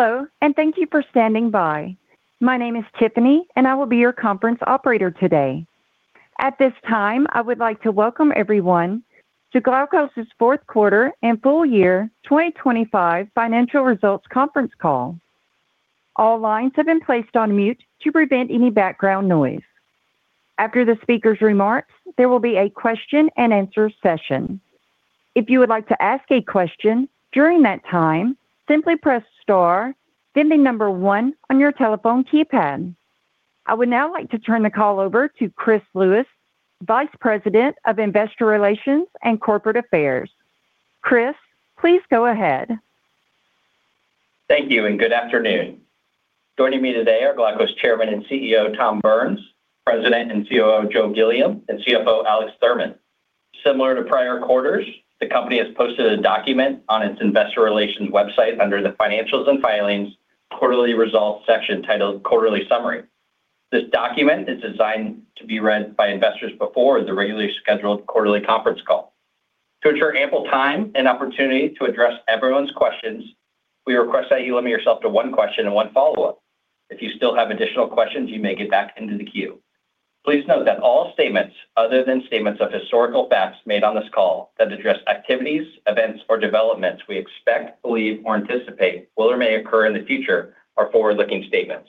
Hello, and thank you for standing by. My name is Tiffany, and I will be your conference operator today. At this time, I would like to welcome everyone to Glaukos's fourth quarter and full year 2025 financial results conference call. All lines have been placed on mute to prevent any background noise. After the speaker's remarks, there will be a question and answer session. If you would like to ask a question during that time, simply press Star, then the number one on your telephone keypad. I would now like to turn the call over to Chris Lewis, Vice President of Investor Relations and Corporate Affairs. Chris, please go ahead. Thank you, and good afternoon. Joining me today are Glaukos' Chairman and CEO, Tom Burns, President and COO, Joe Gilliam, and CFO, Alex Thurman. Similar to prior quarters, the company has posted a document on its investor relations website under the Financials and Filings Quarterly Results section titled Quarterly Summary. This document is designed to be read by investors before the regularly scheduled quarterly conference call. To ensure ample time and opportunity to address everyone's questions, we request that you limit yourself to one question and one follow-up. If you still have additional questions, you may get back into the queue. Please note that all statements other than statements of historical facts made on this call that address activities, events, or developments we expect, believe, or anticipate will or may occur in the future are forward-looking statements.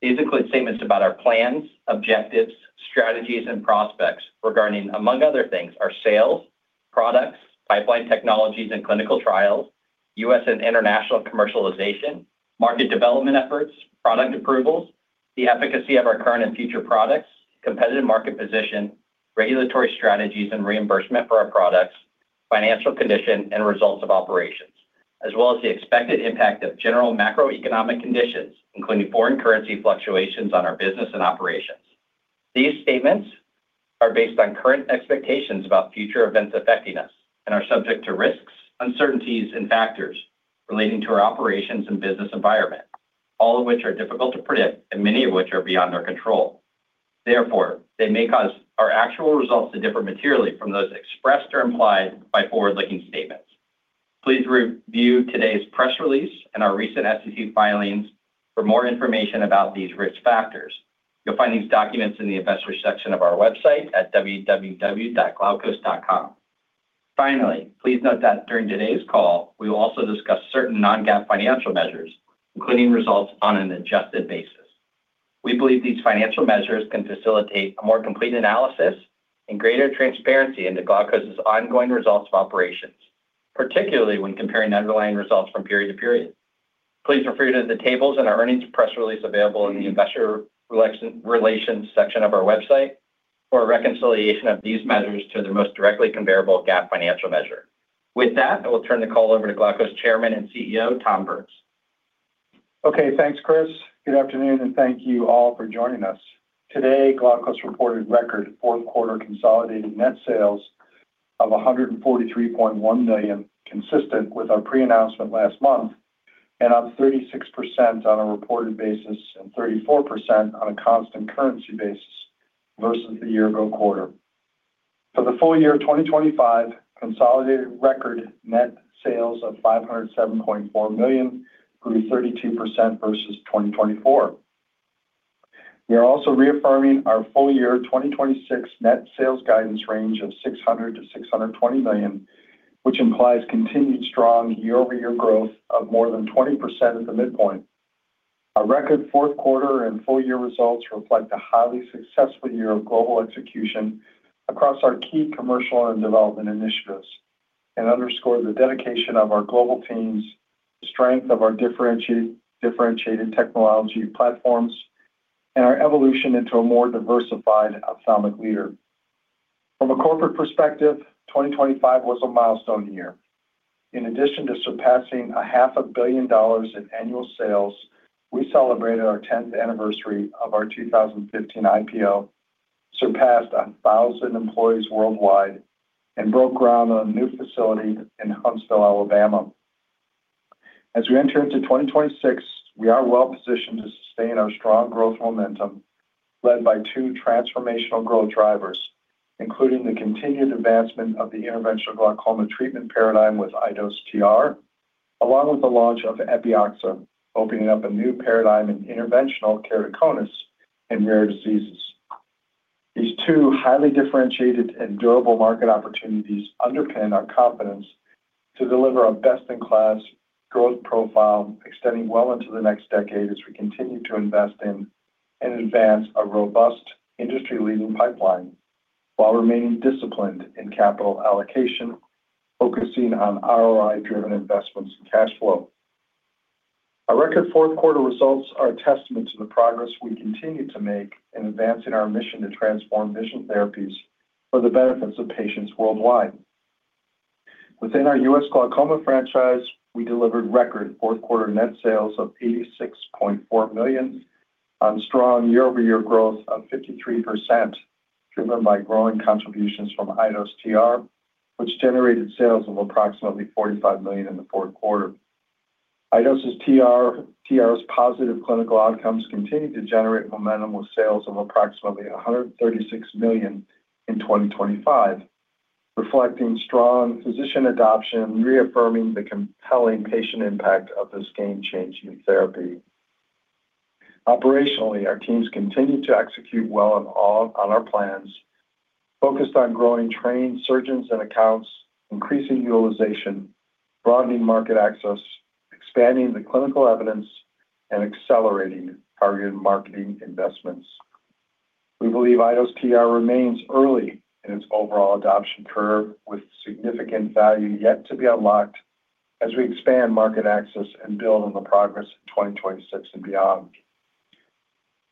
These include statements about our plans, objectives, strategies, and prospects regarding, among other things, our sales, products, pipeline technologies and clinical trials, U.S. and international commercialization, market development efforts, product approvals, the efficacy of our current and future products, competitive market position, regulatory strategies and reimbursement for our products, financial condition, and results of operations, as well as the expected impact of general macroeconomic conditions, including foreign currency fluctuations on our business and operations. These statements are based on current expectations about future events affecting us and are subject to risks, uncertainties, and factors relating to our operations and business environment, all of which are difficult to predict and many of which are beyond our control. Therefore, they may cause our actual results to differ materially from those expressed or implied by forward-looking statements. Please review today's press release and our recent SEC filings for more information about these risk factors. You'll find these documents in the Investors section of our website at www.glaukos.com. Finally, please note that during today's call, we will also discuss certain non-GAAP financial measures, including results on an adjusted basis. We believe these financial measures can facilitate a more complete analysis and greater transparency into Glaukos' ongoing results of operations, particularly when comparing underlying results from period to period. Please refer to the tables in our earnings press release available in the Investor Relations section of our website for a reconciliation of these measures to their most directly comparable GAAP financial measure. With that, I will turn the call over to Glaukos Chairman and CEO, Tom Burns. Okay, thanks, Chris. Good afternoon, and thank you all for joining us. Today, Glaukos reported record fourth quarter consolidated net sales of $143.1 million, consistent with our pre-announcement last month, and up 36% on a reported basis and 34% on a constant currency basis versus the year-ago quarter. For the full year of 2025, consolidated record net sales of $507.4 million, grew 32% versus 2024. We are also reaffirming our full year 2026 net sales guidance range of $600 million-$620 million, which implies continued strong year-over-year growth of more than 20% at the midpoint. Our record fourth quarter and full-year results reflect a highly successful year of global execution across our key commercial and development initiatives and underscore the dedication of our global teams, strength of our differentiated technology platforms, and our evolution into a more diversified ophthalmic leader. From a corporate perspective, 2025 was a milestone year. In addition to surpassing $500 million in annual sales, we celebrated our 10th anniversary of our 2015 IPO, surpassed 1,000 employees worldwide and broke ground on a new facility in Huntsville, Alabama. As we enter into 2026, we are well positioned to sustain our strong growth momentum, led by two transformational growth drivers, including the continued advancement of the interventional glaucoma treatment paradigm with iDose TR, along with the launch of Epioxa, opening up a new paradigm in interventional keratoconus and rare diseases. These two highly differentiated and durable market opportunities underpin our confidence to deliver a best-in-class growth profile extending well into the next decade as we continue to invest in and advance a robust industry-leading pipeline while remaining disciplined in capital allocation, focusing on ROI-driven investments and cash flow. Our record fourth quarter results are a testament to the progress we continue to make in advancing our mission to transform vision therapies for the benefits of patients worldwide. Within our U.S. glaucoma franchise, we delivered record fourth quarter net sales of $86.4 million on strong year-over-year growth of 53%, driven by growing contributions from iDose TR, which generated sales of approximately $45 million in the fourth quarter. iDose TR's positive clinical outcomes continue to generate momentum, with sales of approximately $136 million in 2025. Reflecting strong physician adoption, reaffirming the compelling patient impact of this game-changing therapy. Operationally, our teams continued to execute well on our plans, focused on growing trained surgeons and accounts, increasing utilization, broadening market access, expanding the clinical evidence, and accelerating targeted marketing investments. We believe iDose TR remains early in its overall adoption curve, with significant value yet to be unlocked as we expand market access and build on the progress in 2026 and beyond.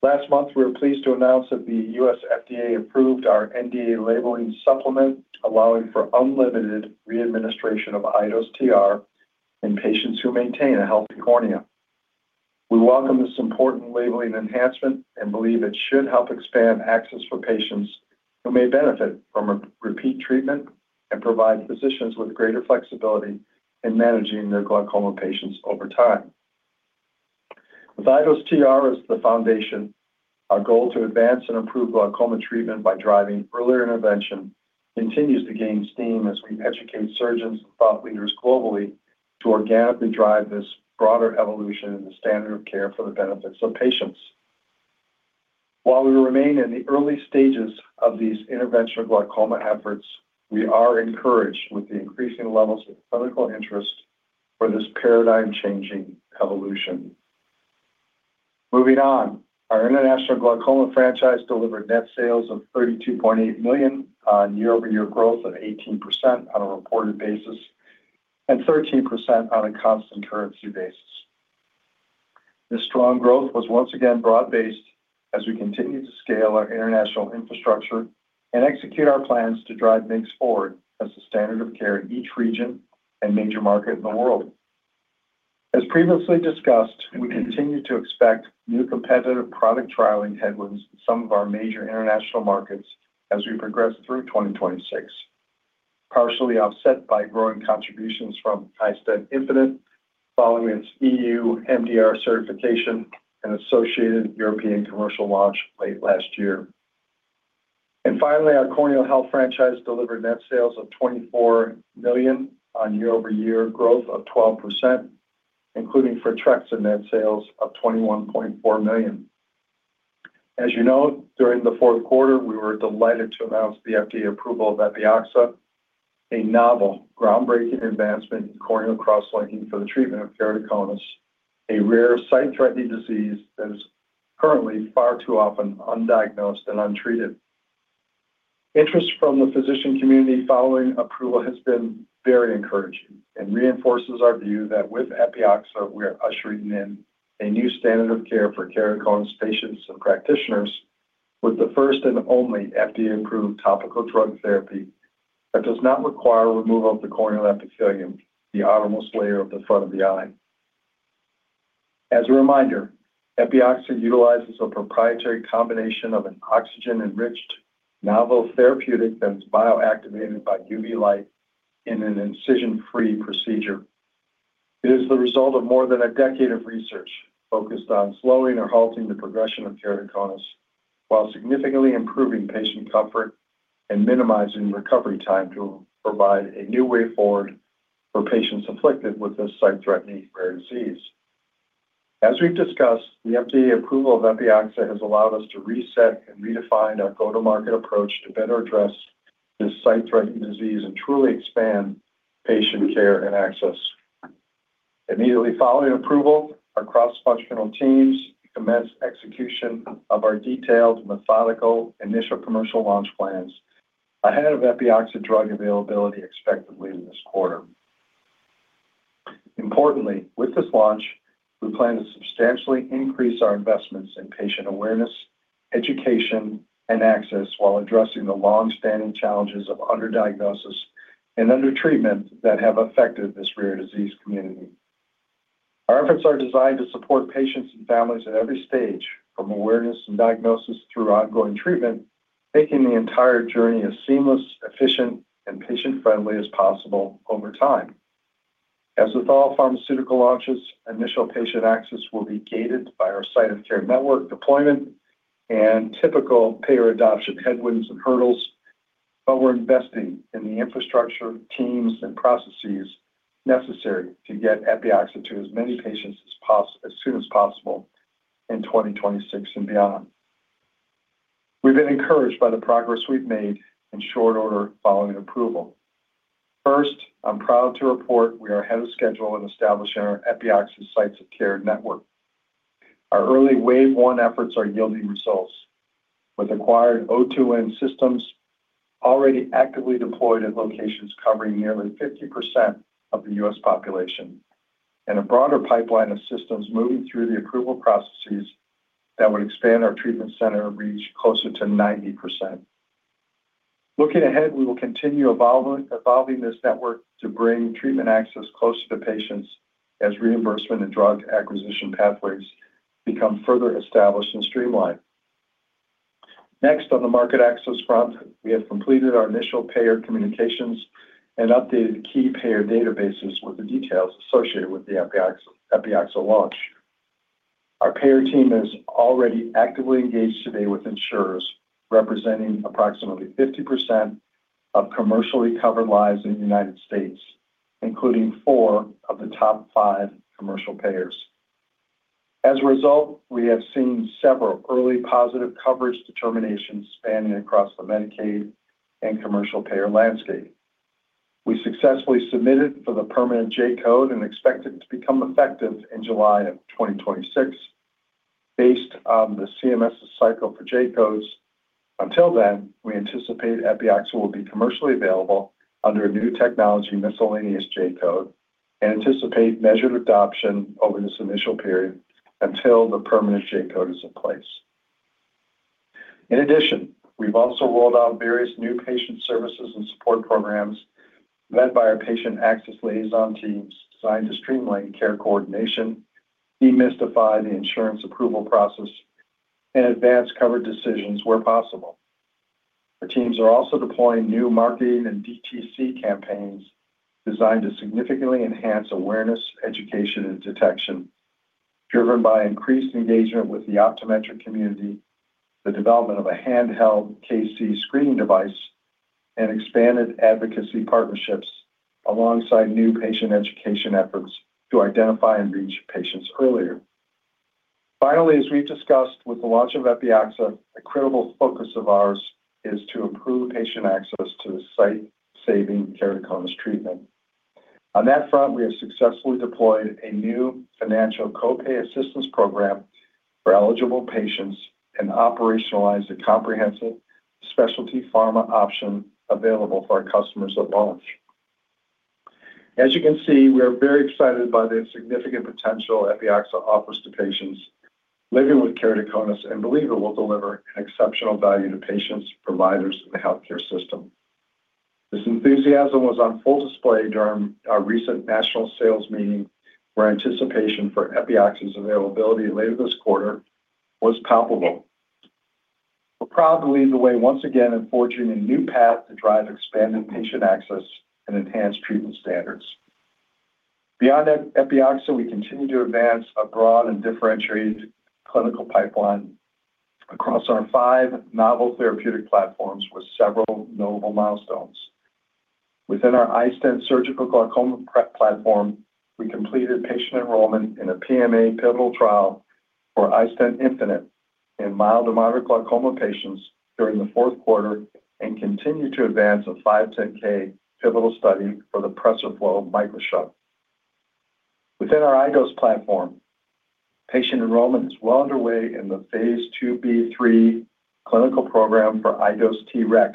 Last month, we were pleased to announce that the U.S. FDA approved our NDA labeling supplement, allowing for unlimited re-administration of iDose TR in patients who maintain a healthy cornea. We welcome this important labeling enhancement and believe it should help expand access for patients who may benefit from a repeat treatment and provide physicians with greater flexibility in managing their glaucoma patients over time. With iDose TR as the foundation, our goal to advance and improve glaucoma treatment by driving earlier intervention continues to gain steam as we educate surgeons and thought leaders globally to organically drive this broader evolution in the standard of care for the benefits of patients. While we remain in the early stages of these interventional glaucoma efforts, we are encouraged with the increasing levels of clinical interest for this paradigm-changing evolution. Moving on, our international glaucoma franchise delivered net sales of $32.8 million on year-over-year growth of 18% on a reported basis and 13% on a constant currency basis. This strong growth was once again broad-based as we continued to scale our international infrastructure and execute our plans to drive MIGS forward as the standard of care in each region and major market in the world. As previously discussed, we continue to expect new competitive product trialing headwinds in some of our major international markets as we progress through 2026, partially offset by growing contributions from iStent infinite, following its EU MDR certification and associated European commercial launch late last year. Finally, our corneal health franchise delivered net sales of $24 million on year-over-year growth of 12%, including for Photrexa and net sales of $21.4 million. As you know, during the fourth quarter, we were delighted to announce the FDA approval of Epioxa, a novel, groundbreaking advancement in corneal cross-linking for the treatment of keratoconus, a rare, sight-threatening disease that is currently far too often undiagnosed and untreated. Interest from the physician community following approval has been very encouraging and reinforces our view that with Epioxa, we are ushering in a new standard of care for keratoconus patients and practitioners with the first and only FDA-approved topical drug therapy that does not require removal of the corneal epithelium, the outermost layer of the front of the eye. As a reminder, Epioxa utilizes a proprietary combination of an oxygen-enriched novel therapeutic that is bioactivated by UV light in an incision-free procedure. It is the result of more than a decade of research focused on slowing or halting the progression of keratoconus, while significantly improving patient comfort and minimizing recovery time to provide a new way forward for patients afflicted with this sight-threatening rare disease. As we've discussed, the FDA approval of Epioxa has allowed us to reset and redefine our go-to-market approach to better address this sight-threatening disease and truly expand patient care and access. Immediately following approval, our cross-functional teams commenced execution of our detailed, methodical, initial commercial launch plans ahead of Epioxa drug availability expected late in this quarter. Importantly, with this launch, we plan to substantially increase our investments in patient awareness, education, and access while addressing the long-standing challenges of underdiagnosis and undertreatment that have affected this rare disease community. Our efforts are designed to support patients and families at every stage, from awareness and diagnosis through ongoing treatment, making the entire journey as seamless, efficient, and patient-friendly as possible over time. As with all pharmaceutical launches, initial patient access will be gated by our site of care network deployment and typical payer adoption headwinds and hurdles, but we're investing in the infrastructure, teams, and processes necessary to get Epioxa to as many patients as soon as possible in 2026 and beyond. We've been encouraged by the progress we've made in short order following approval. First, I'm proud to report we are ahead of schedule in establishing our Epioxa Sites of Care network. Our early wave one efforts are yielding results, with acquired O2N systems already actively deployed at locations covering nearly 50% of the U.S. population, and a broader pipeline of systems moving through the approval processes that would expand our treatment center reach closer to 90%. Looking ahead, we will continue evolving this network to bring treatment access closer to patients as reimbursement and drug acquisition pathways become further established and streamlined. Next, on the market access front, we have completed our initial payer communications and updated key payer databases with the details associated with the Epioxa launch. Our payer team is already actively engaged today with insurers representing approximately 50% of commercially covered lives in the United States, including four of the top five commercial payers. As a result, we have seen several early positive coverage determinations spanning across the Medicaid and commercial payer landscape. We successfully submitted for the permanent J-code and expect it to become effective in July 2026, based on the CMS's cycle for J-codes. Until then, we anticipate Epioxa will be commercially available under a new technology miscellaneous J-code and anticipate measured adoption over this initial period until the permanent J-code is in place. In addition, we've also rolled out various new patient services and support programs led by our patient access liaison teams, designed to streamline care coordination, demystify the insurance approval process, and advance covered decisions where possible. Our teams are also deploying new marketing and DTC campaigns designed to significantly enhance awareness, education, and detection, driven by increased engagement with the optometric community, the development of a handheld KC screening device, and expanded advocacy partnerships alongside new patient education efforts to identify and reach patients earlier. Finally, as we've discussed with the launch of Epioxa, a credible focus of ours is to improve patient access to the sight-saving keratoconus treatment. On that front, we have successfully deployed a new financial co-pay assistance program for eligible patients and operationalized a comprehensive specialty pharma option available for our customers at launch. As you can see, we are very excited by the significant potential Epioxa offers to patients living with keratoconus and believe it will deliver an exceptional value to patients, providers, and the healthcare system. This enthusiasm was on full display during our recent national sales meeting, where anticipation for Epioxa's availability later this quarter was palpable. We're proud to lead the way once again in forging a new path to drive expanded patient access and enhance treatment standards. Beyond Epioxa, we continue to advance a broad and differentiated clinical pipeline across our five novel therapeutic platforms with several notable milestones. Within our iStent surgical glaucoma platform, we completed patient enrollment in a PMA pivotal trial for iStent infinite in mild to moderate glaucoma patients during the fourth quarter and continue to advance a 510(k) pivotal study for the PRESERFLO. Within our iDose platform, patient enrollment is well underway in the phase IIB/III clinical program for iDose TREX,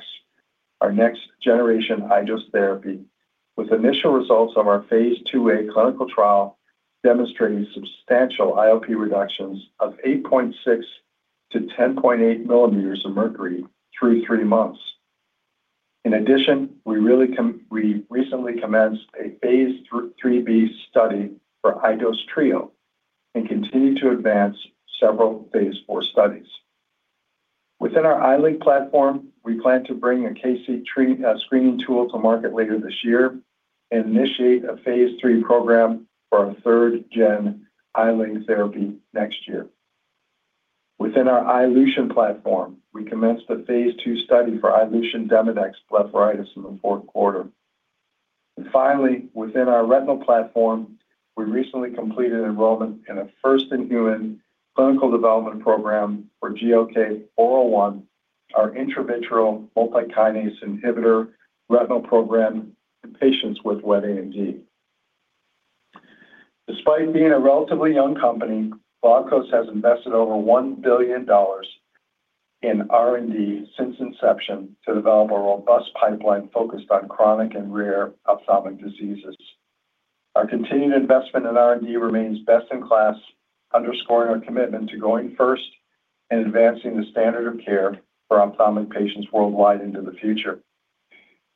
our next generation iDose therapy, with initial results of our phase IIA clinical trial demonstrating substantial IOP reductions of 8.6-10.8 millimeters of mercury through three months. In addition, we recently commenced a phase IIIB study for iDose Trio and continue to advance several phase IV studies. Within our iLink platform, we plan to bring a KC treatment screening tool to market later this year and initiate a phase III program for our third-gen iLink therapy next year. Within our iLution platform, we commenced a phase II study for iLution Demodex blepharitis in the fourth quarter. Finally, within our retinal platform, we recently completed enrollment in a first-in-human clinical development program for GLK-401, our intravitreal multikinase inhibitor retinal program in patients with wet AMD. Despite being a relatively young company, Glaukos has invested over $1 billion in R&D since inception to develop a robust pipeline focused on chronic and rare ophthalmic diseases. Our continued investment in R&D remains best-in-class, underscoring our commitment to going first and advancing the standard of care for ophthalmic patients worldwide into the future.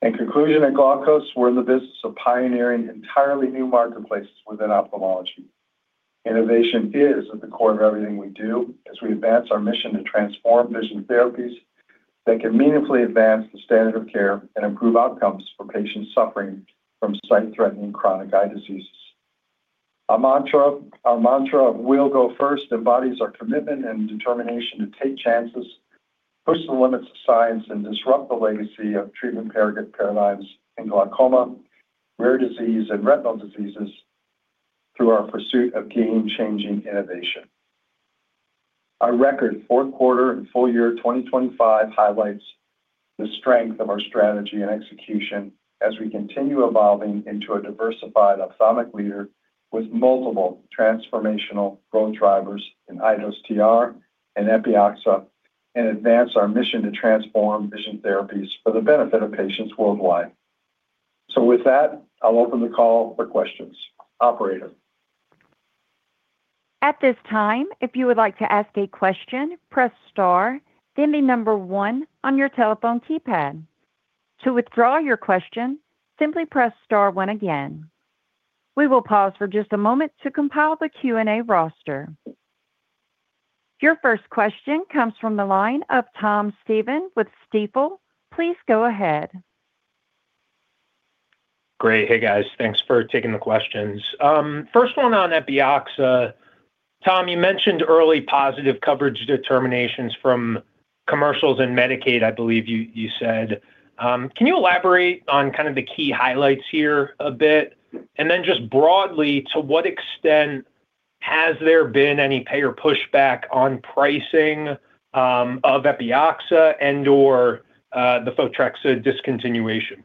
In conclusion, at Glaukos, we're in the business of pioneering entirely new marketplaces within ophthalmology. Innovation is at the core of everything we do as we advance our mission to transform vision therapies that can meaningfully advance the standard of care and improve outcomes for patients suffering from sight-threatening chronic eye diseases. Our mantra, our mantra of we'll go first, embodies our commitment and determination to take chances, push the limits of science, and disrupt the legacy of treatment paradigms in glaucoma, rare disease, and retinal diseases through our pursuit of game-changing innovation. Our record fourth quarter and full year 2025 highlights the strength of our strategy and execution as we continue evolving into a diversified ophthalmic leader with multiple transformational growth drivers in iDose TR and Epioxa, and advance our mission to transform vision therapies for the benefit of patients worldwide. With that, I'll open the call for questions. Operator? At this time, if you would like to ask a question, press star, then the number one on your telephone keypad. To withdraw your question, simply press star one again. We will pause for just a moment to compile the Q&A roster. Your first question comes from the line of Thomas Stephan with Stephens. Please go ahead. Great. Hey, guys, thanks for taking the questions. First one on Epioxa. Tom, you mentioned early positive coverage determinations from commercials and Medicaid, I believe you said. Can you elaborate on kind of the key highlights here a bit? And then just broadly, to what extent has there been any payer pushback on pricing of Epioxa and or the Photrexa discontinuation?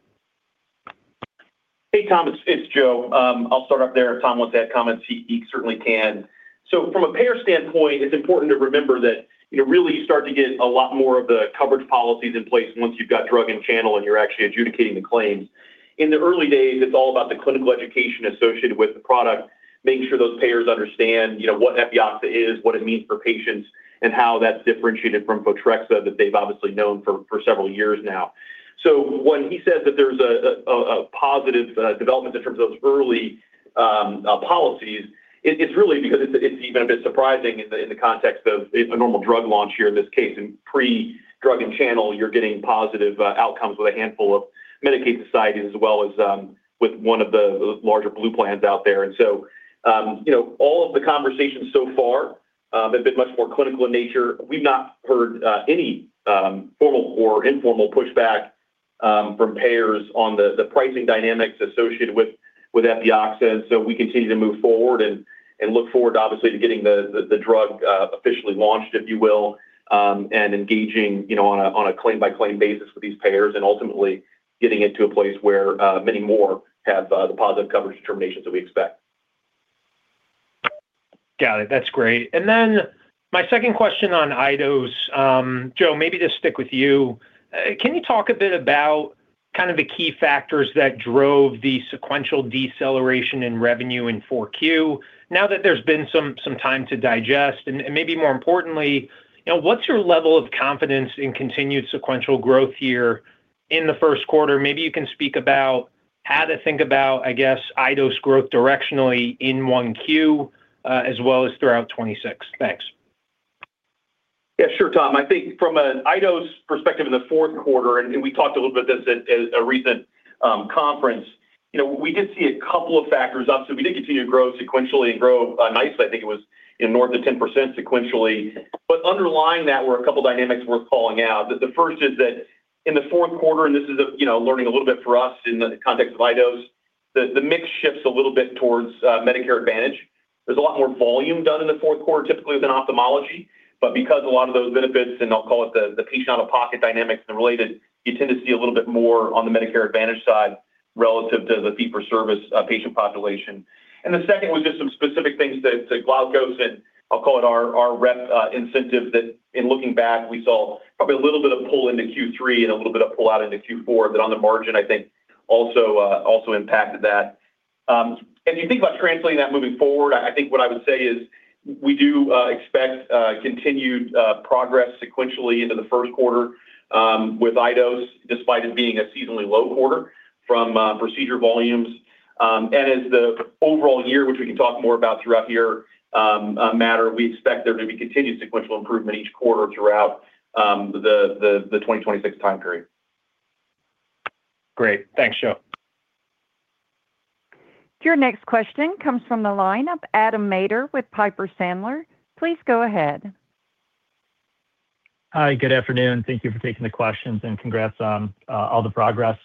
Hey, Tom, it's Joe. I'll start off there. If Tom wants to add comments, he certainly can. So from a payer standpoint, it's important to remember that you really start to get a lot more of the coverage policies in place once you've got drug and channel, and you're actually adjudicating the claims. In the early days, it's all about the clinical education associated with the product, making sure those payers understand, you know, what Epioxa is, what it means for patients, and how that's differentiated from Photrexa that they've obviously known for several years now. So when he says that there's a positive development in terms of early policies, it's really because it's even a bit surprising in the context of a normal drug launch here in this case, in pre-drug and channel, you're getting positive outcomes with a handful of Medicaid societies, as well as with one of the larger Blue plans out there. And so, you know, all of the conversations so far have been much more clinical in nature. We've not heard any formal or informal pushback from payers on the pricing dynamics associated with Epioxa. And so we continue to move forward and look forward, obviously, to getting the drug officially launched, if you will, and engaging, you know, on a claim-by-claim basis with these payers and ultimately getting it to a place where many more have the positive coverage determinations that we expect. Got it. That's great. And then my second question on iDose, Joe, maybe just stick with you. Can you talk a bit about kind of the key factors that drove the sequential deceleration in revenue in Q4, now that there's been some time to digest? And maybe more importantly, you know, what's your level of confidence in continued sequential growth here in the first quarter? Maybe you can speak about how to think about, I guess, iDose growth directionally in 1Q, as well as throughout 2026. Thanks. Yeah, sure, Tom. I think from an iDose perspective in the fourth quarter, and we talked a little bit about this at a recent conference, you know, we did see a couple of factors up. So we did continue to grow sequentially and grow nicely. I think it was north of 10% sequentially, but underlying that were a couple of dynamics worth calling out. The first is that in the fourth quarter, and this is, you know, a little bit of a learning for us in the context of iDose, the mix shifts a little bit towards Medicare Advantage. There's a lot more volume done in the fourth quarter, typically, with an ophthalmology, but because a lot of those benefits, and I'll call it the, the patient out-of-pocket dynamics and related, you tend to see a little bit more on the Medicare Advantage side relative to the fee-for-service patient population. And the second was just some specific things to glaucoma, and I'll call it our rep incentive that in looking back, we saw probably a little bit of pull into Q3 and a little bit of pull out into Q4, but on the margin, I think also impacted that. If you think about translating that moving forward, I think what I would say is we do expect continued progress sequentially into the first quarter with iDose, despite it being a seasonally low quarter from procedure volumes. And as the overall year, which we can talk more about throughout here, we expect there to be continued sequential improvement each quarter throughout the 2026 time period. Great. Thanks, Joe. Your next question comes from the line of Adam Maeder with Piper Sandler. Please go ahead. Hi, good afternoon. Thank you for taking the questions, and congrats on all the progress.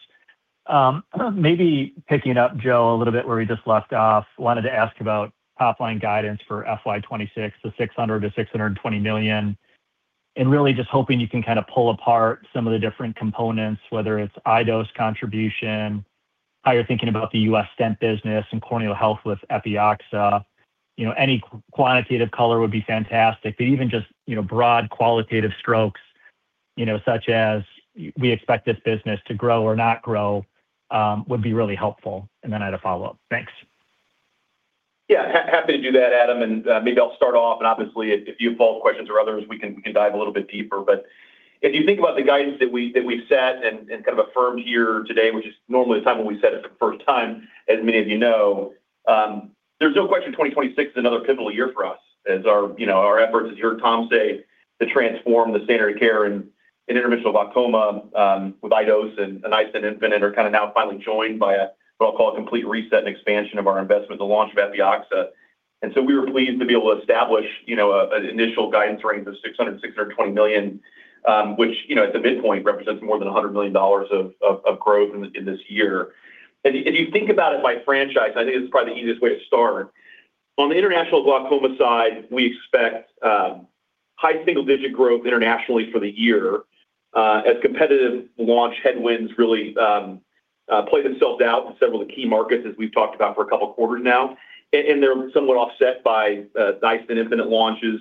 Maybe picking up, Joe, a little bit where we just left off, wanted to ask about top-line guidance for FY 2026, the $600 million-$620 million, and really just hoping you can kind of pull apart some of the different components, whether it's iDose contribution, how you're thinking about the U.S. stent business and corneal health with Epioxa. You know, any quantitative color would be fantastic, but even just, you know, broad qualitative strokes, you know, such as, "We expect this business to grow or not grow," would be really helpful, and then I had a follow-up. Thanks. Yeah, happy to do that, Adam, and maybe I'll start off, and obviously, if you have follow-up questions or others, we can dive a little bit deeper. But if you think about the guidance that we've set and kind of affirmed here today, which is normally the time when we set it the first time, as many of you know, there's no question 2026 is another pivotal year for us as our, you know, our efforts, as you heard Tom say, to transform the standard of care in open-angle glaucoma with iDose and iStent infinite are kind of now finally joined by a, what I'll call a complete reset and expansion of our investment, the launch of Epioxa. And so we were pleased to be able to establish, you know, an initial guidance range of $600 million-$620 million, which, you know, at the midpoint, represents more than $100 million of growth in this year. If you think about it by franchise, I think it's probably the easiest way to start. On the international glaucoma side, we expect high single-digit growth internationally for the year, as competitive launch headwinds really play themselves out in several of the key markets, as we've talked about for a couple of quarters now. And they're somewhat offset by iStent infinite launches,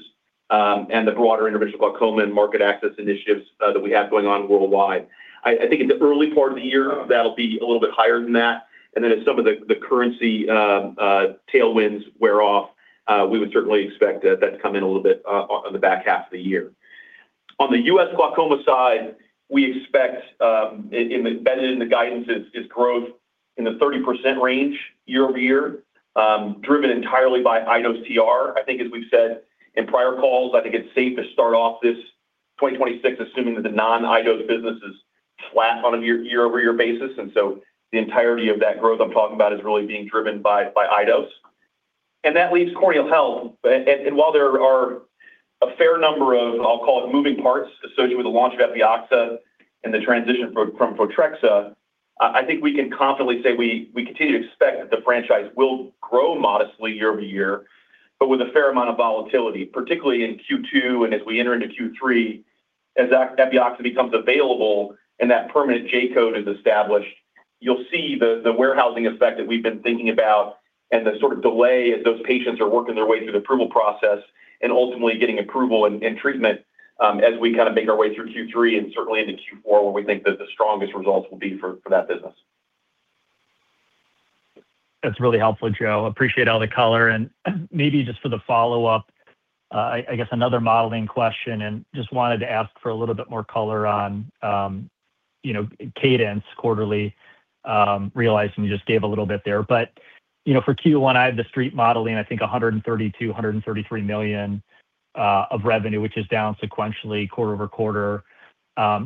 and the broader interventional glaucoma and market access initiatives, that we have going on worldwide. I think in the early part of the year, that'll be a little bit higher than that, and then as some of the currency tailwinds wear off, we would certainly expect that to come in a little bit on the back half of the year. On the U.S. glaucoma side, we expect, embedded in the guidance is growth in the 30% range year-over-year, driven entirely by iDose TR. I think as we've said in prior calls, I think it's safe to start off 2026, assuming that the non-iDose business is flat on a year-over-year basis, and so the entirety of that growth I'm talking about is really being driven by iDose. And that leaves corneal health. But while there are a fair number of, I'll call it, moving parts associated with the launch of Epioxa and the transition from Photrexa, I think we can confidently say we continue to expect that the franchise will grow modestly year-over-year, but with a fair amount of volatility, particularly in Q2 and as we enter into Q3, as that Epioxa becomes available and that permanent J-code is established, you'll see the warehousing effect that we've been thinking about and the sort of delay as those patients are working their way through the approval process and ultimately getting approval and treatment, as we kind of make our way through Q3 and certainly into Q4, where we think that the strongest results will be for that business. That's really helpful, Joe. Appreciate all the color. Maybe just for the follow-up, I guess, another modeling question, and just wanted to ask for a little bit more color on, you know, cadence quarterly, realizing you just gave a little bit there. But, you know, for Q1, I have the Street modeling, I think $132 million-$133 million of revenue, which is down sequentially quarter-over-quarter.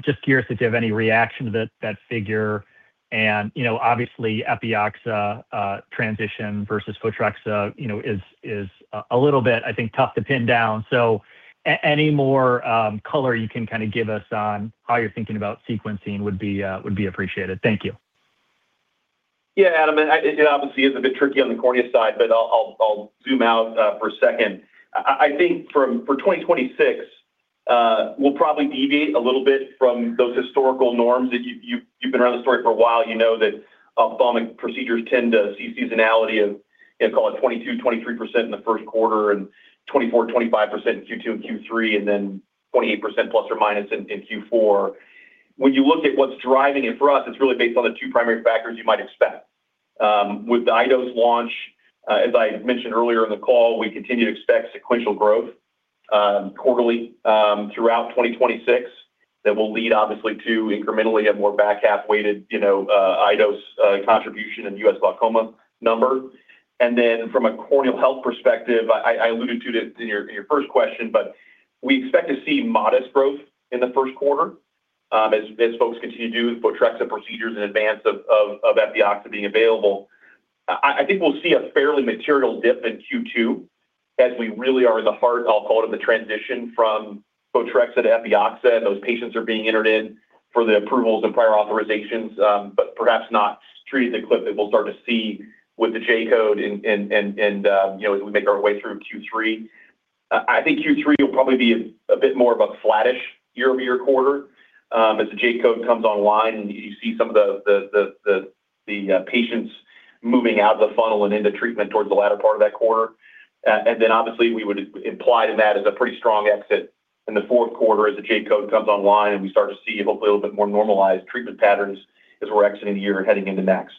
Just curious if you have any reaction to that figure. And, you know, obviously, Epioxa transition versus Photrexa, you know, is a little bit, I think, tough to pin down. So any more color you can kind of give us on how you're thinking about sequencing would be appreciated. Thank you. Yeah, Adam, and I—it obviously is a bit tricky on the cornea side, but I'll zoom out for a second. I think from—for 2026, we'll probably deviate a little bit from those historical norms that you've been around the story for a while. You know that ophthalmic procedures tend to see seasonality of, you know, call it 22%-23% in the first quarter and 24%-25% in Q2 and Q3, and then 28%± in Q4. When you look at what's driving it, for us, it's really based on the two primary factors you might expect. With the iDose launch, as I mentioned earlier in the call, we continue to expect sequential growth, quarterly, throughout 2026. That will lead, obviously, to incrementally a more back-half-weighted, you know, iDose contribution in the U.S. glaucoma number. And then from a corneal health perspective, I alluded to it in your first question, but we expect to see modest growth in the first quarter, as folks continue to do Photrexa procedures in advance of Epioxa being available. I think we'll see a fairly material dip in Q2, as we really are in the heart, I'll call it, of the transition from Photrexa to Epioxa, and those patients are being entered in for the approvals and prior authorizations, but perhaps not treated as quickly as we'll start to see with the J-code and, you know, as we make our way through Q3. I think Q3 will probably be a bit more of a flattish year-over-year quarter, as the J-code comes online, and you see some of the patients moving out of the funnel and into treatment towards the latter part of that quarter. And then obviously, we would imply to that is a pretty strong exit in the fourth quarter as the J-code comes online, and we start to see hopefully a little bit more normalized treatment patterns as we're exiting the year and heading into next.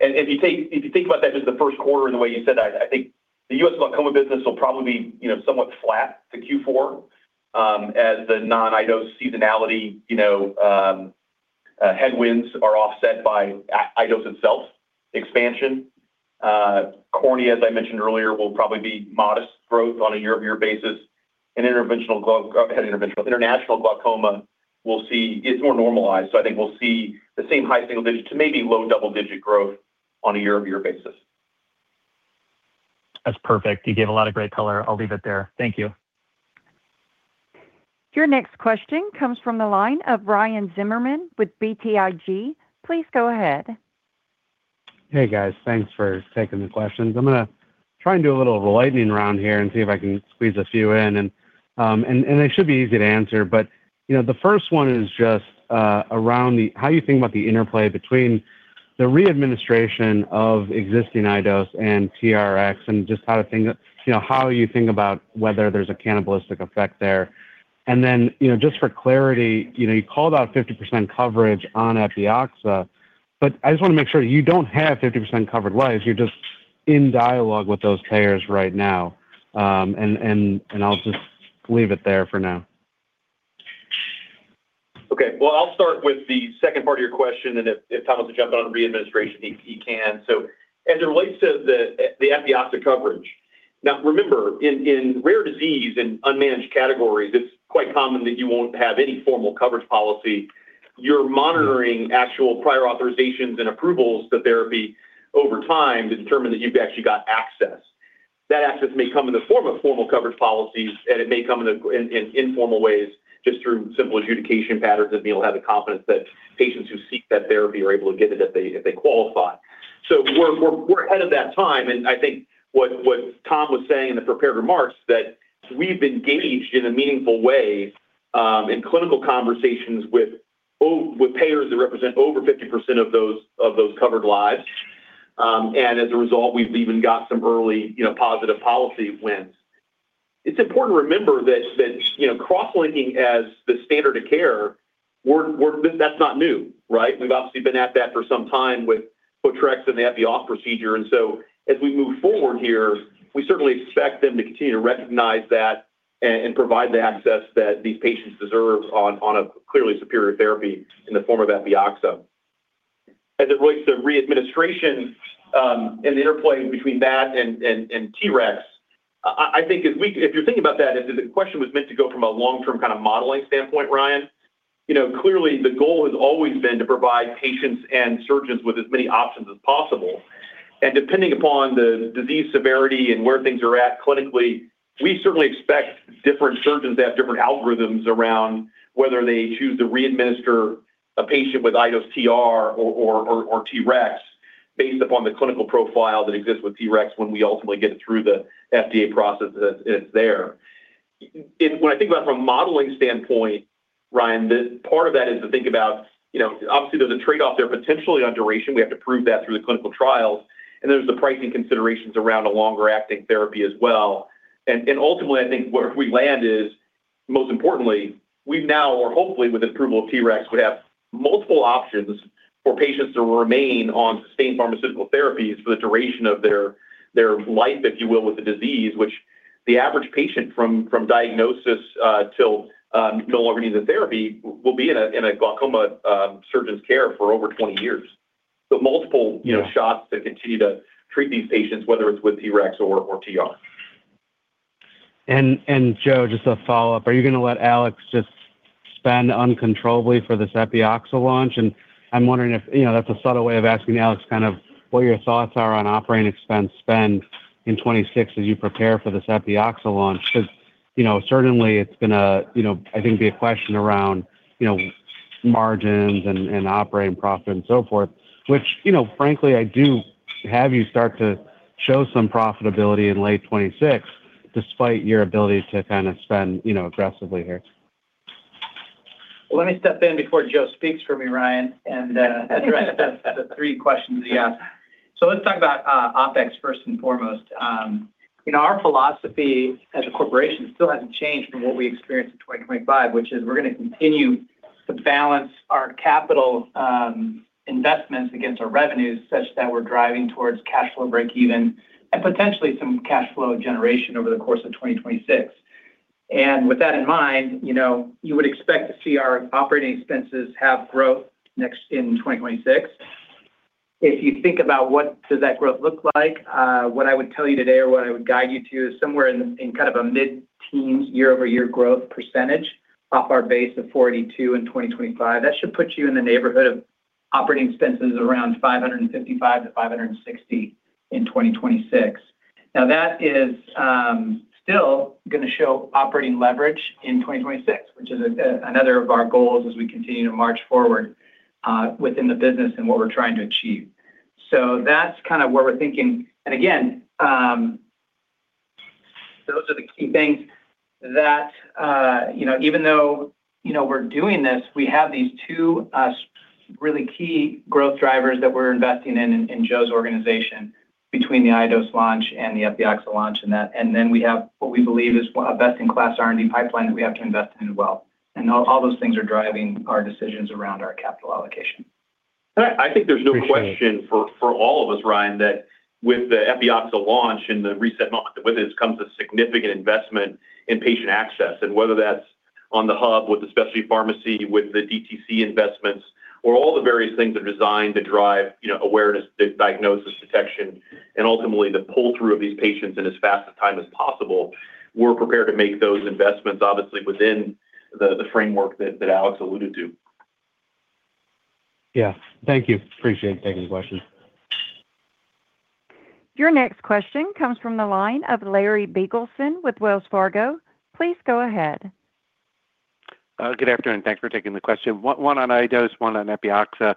And if you think about that, just the first quarter and the way you said that, I think the U.S. glaucoma business will probably be, you know, somewhat flat to Q4, as the non-iDose seasonality, you know, headwinds are offset by iDose itself expansion. Cornea, as I mentioned earlier, will probably be modest growth on a year-over-year basis. And interventional international glaucoma, we'll see, it's more normalized, so I think we'll see the same high single digit to maybe low double-digit growth on a year-over-year basis. That's perfect. You gave a lot of great color. I'll leave it there. Thank you. Your next question comes from the line of Ryan Zimmerman with BTIG. Please go ahead. Hey, guys. Thanks for taking the questions. I'm gonna try and do a little of a lightning round here and see if I can squeeze a few in. And they should be easy to answer. But, you know, the first one is just around the how you think about the interplay between the re-administration of existing iDose and TREX and just how to think, you know, how you think about whether there's a cannibalistic effect there. And then, you know, just for clarity, you know, you called out 50% coverage on Epioxa, but I just want to make sure you don't have 50% covered lives. You're just in dialogue with those payers right now. And I'll just leave it there for now. Okay. Well, I'll start with the second part of your question, and if Tom wants to jump in on the re-administration, he can. So as it relates to the Epioxa coverage, now, remember, in rare disease and unmanaged categories, it's quite common that you won't have any formal coverage policy. You're monitoring actual prior authorizations and approvals to therapy over time to determine that you've actually got access. That access may come in the form of formal coverage policies, and it may come in informal ways, just through simple adjudication patterns, and you'll have the confidence that patients who seek that therapy are able to get it if they qualify. So we're ahead of that time, and I think what Tom was saying in the prepared remarks, that we've engaged in a meaningful way in clinical conversations with payers that represent over 50% of those covered lives. And as a result, we've even got some early, you know, positive policy wins. It's important to remember that, you know, cross-linking as the standard of care, that's not new, right? We've obviously been at that for some time with Photrexa and the Epioxa procedure, and so as we move forward here, we certainly expect them to continue to recognize that and provide the access that these patients deserve on a clearly superior therapy in the form of Epioxa. As it relates to re-administration, and the interplay between that and TREX, I think if you're thinking about that, if the question was meant to go from a long-term kind of modeling standpoint, Ryan, you know, clearly, the goal has always been to provide patients and surgeons with as many options as possible. And depending upon the disease severity and where things are at clinically, we certainly expect different surgeons to have different algorithms around whether they choose to re-administer a patient with iDose TR or TREX based upon the clinical profile that exists with TREX when we ultimately get it through the FDA process that is there. When I think about it from a modeling standpoint, Ryan, the part of that is to think about, you know, obviously, there's a trade-off there potentially on duration. We have to prove that through the clinical trials, and there's the pricing considerations around a longer-acting therapy as well. And ultimately, I think where we land is, most importantly, we now or hopefully with approval of TREX, would have multiple options for patients to remain on sustained pharmaceutical therapies for the duration of their life, if you will, with the disease, which the average patient from diagnosis till no longer needs a therapy, will be in a glaucoma surgeon's care for over 20 years. So multiple, you know, shots to continue to treat these patients, whether it's with TREX or TR. And, Joe, just a follow-up. Are you gonna let Alex just spend uncontrollably for this Epioxa launch? And I'm wondering if, you know, that's a subtle way of asking Alex, kind of what your thoughts are on operating expense spend in 2026 as you prepare for this Epioxa launch. Because, you know, certainly it's gonna, you know, I think be a question around, you know, margins and, and operating profit and so forth, which, you know, frankly, I do have you start to show some profitability in late 2026, despite your ability to spend, you know, aggressively here. Let me step in before Joe speaks for me, Ryan, and address the three questions you asked. So let's talk about OpEx first and foremost. You know, our philosophy as a corporation still hasn't changed from what we experienced in 2025, which is we're gonna continue to balance our capital investments against our revenues such that we're driving towards cash flow break even, and potentially some cash flow generation over the course of 2026. And with that in mind, you know, you would expect to see our operating expenses have growth next in 2026. If you think about what does that growth look like, what I would tell you today or what I would guide you to is somewhere in kind of a mid-teen year-over-year growth percentage off our base of 42 in 2025. That should put you in the neighborhood of operating expenses around $555 million-$560 million in 2026. Now, that is still gonna show operating leverage in 2026, which is another of our goals as we continue to march forward within the business and what we're trying to achieve. So that's kind of where we're thinking. And again, those are the key things that you know, even though you know, we're doing this, we have these two really key growth drivers that we're investing in in Joe's organization between the iDose launch and the Epioxa launch and that. And then we have what we believe is a best-in-class R&D pipeline that we have to invest in as well. And all those things are driving our decisions around our capital allocation. I think there's no question for all of us, Ryan, that with the Epioxa launch and the recent launch, with this comes a significant investment in patient access, and whether that's on the hub, with the specialty pharmacy, with the DTC investments, or all the various things are designed to drive, you know, awareness, diagnosis, detection, and ultimately, the pull-through of these patients in as fast a time as possible. We're prepared to make those investments, obviously, within the framework that Alex alluded to. Yeah. Thank you. Appreciate taking the questions. Your next question comes from the line of Larry Biegelsen with Wells Fargo. Please go ahead. Good afternoon. Thanks for taking the question. One on iDose, one on Epioxa.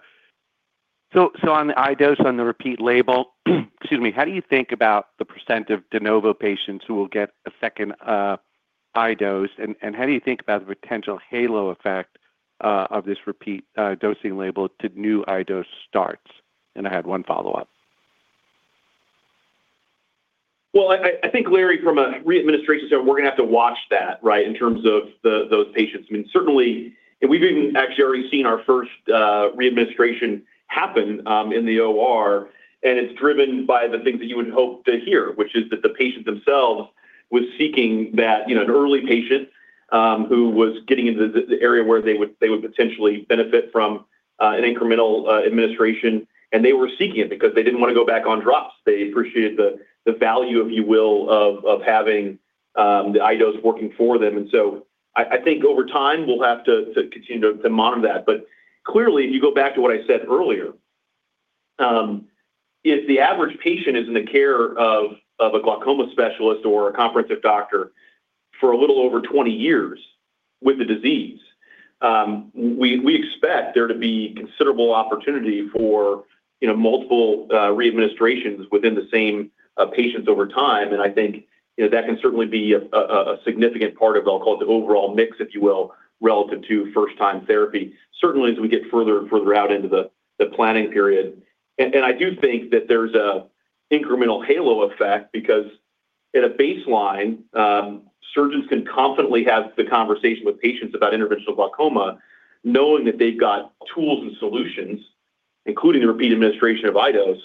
So on the iDose, on the repeat label, excuse me, how do you think about the percent of de novo patients who will get a second iDose, and how do you think about the potential halo effect of this repeat dosing label to new iDose starts? And I had one follow-up. Well, I think, Larry, from a re-administration side, we're gonna have to watch that, right, in terms of those patients. I mean, certainly, and we've even actually already seen our first re-administration happen in the OR, and it's driven by the things that you would hope to hear, which is that the patient themselves was seeking that, you know, an early patient who was getting into the area where they would potentially benefit from an incremental administration, and they were seeking it because they didn't want to go back on drops. They appreciated the value of, if you will, of having the iDose working for them. And so I think over time, we'll have to continue to monitor that. But clearly, if you go back to what I said earlier, if the average patient is in the care of a glaucoma specialist or a comprehensive doctor for a little over 20 years with the disease, we expect there to be considerable opportunity for, you know, multiple re-administrations within the same patients over time. And I think, you know, that can certainly be a significant part of, I'll call it, the overall mix, if you will, relative to first-time therapy, certainly as we get further and further out into the planning period. And I do think that there's an incremental halo effect because at a baseline, surgeons can confidently have the conversation with patients about interventional glaucoma, knowing that they've got tools and solutions, including the repeat administration of iDose,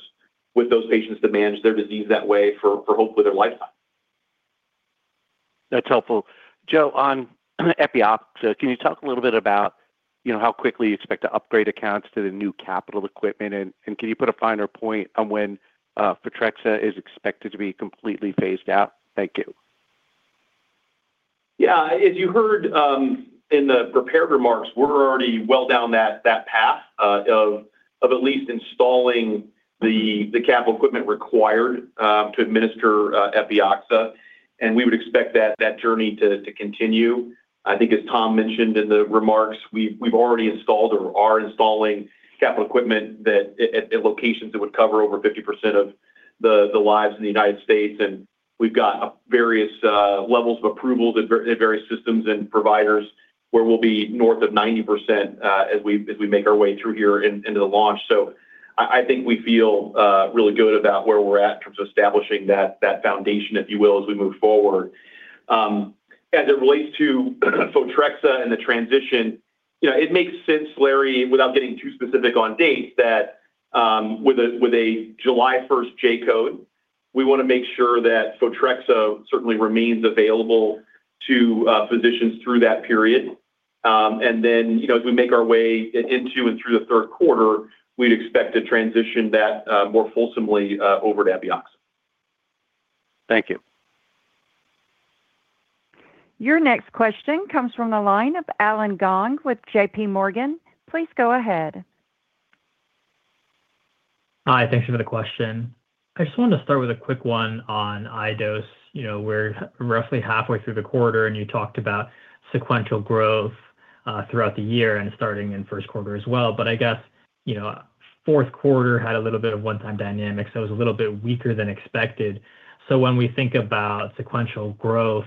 with those patients to manage their disease that way for hopefully their lifetime. That's helpful. Joe, on Epioxa, can you talk a little bit about, you know, how quickly you expect to upgrade accounts to the new capital equipment? And can you put a finer point on when Photrexa is expected to be completely phased out? Thank you. Yeah, as you heard, in the prepared remarks, we're already well down that path of at least installing the capital equipment required to administer Epioxa, and we would expect that journey to continue. I think as Tom mentioned in the remarks, we've already installed or are installing capital equipment at locations that would cover over 50% of the lives in the United States. And we've got various levels of approval in various systems and providers, where we'll be north of 90% as we make our way through here into the launch. So I think we feel really good about where we're at in terms of establishing that foundation, if you will, as we move forward. As it relates to Photrexa and the transition, you know, it makes sense, Larry, without getting too specific on dates, that, with a July first J-code, we wanna make sure that Photrexa certainly remains available to physicians through that period. Then, you know, as we make our way into and through the third quarter, we'd expect to transition that more fulsomely over to Epioxa. Thank you. Your next question comes from the line of Allen Gong with JPMorgan. Please go ahead. Hi, thank you for the question. I just wanted to start with a quick one on iDose. You know, we're roughly halfway through the quarter, and you talked about sequential growth throughout the year and starting in first quarter as well. But I guess, you know, fourth quarter had a little bit of one-time dynamics, so it was a little bit weaker than expected. So when we think about sequential growth,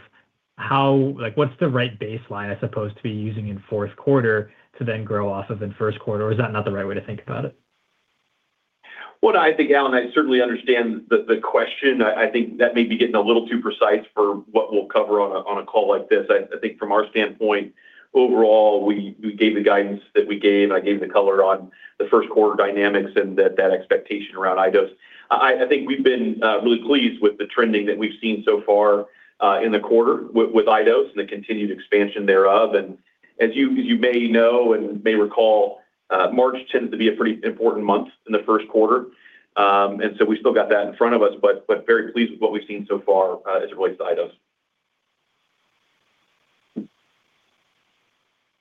how... Like, what's the right baseline I supposed to be using in fourth quarter to then grow off of in first quarter, or is that not the right way to think about it? What I think, Allen, I certainly understand the question. I think that may be getting a little too precise for what we'll cover on a call like this. I think from our standpoint, overall, we gave the guidance that we gave. I gave the color on the first quarter dynamics and that expectation around iDose. I think we've been really pleased with the trending that we've seen so far in the quarter with iDose and the continued expansion thereof. And as you may know and may recall, March tends to be a pretty important month in the first quarter. And so we still got that in front of us, but very pleased with what we've seen so far as it relates to iDose.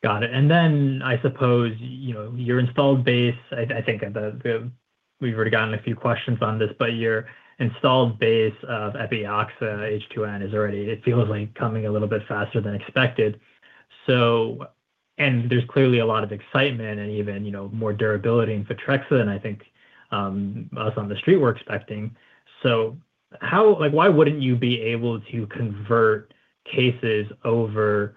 Got it. And then I suppose, you know, your installed base, I think we've already gotten a few questions on this, but your installed base of Epioxa O2N is already... It feels like coming a little bit faster than expected. So and there's clearly a lot of excitement and even, you know, more durability in Photrexa than I think, us on the street were expecting. So how—like, why wouldn't you be able to convert cases over,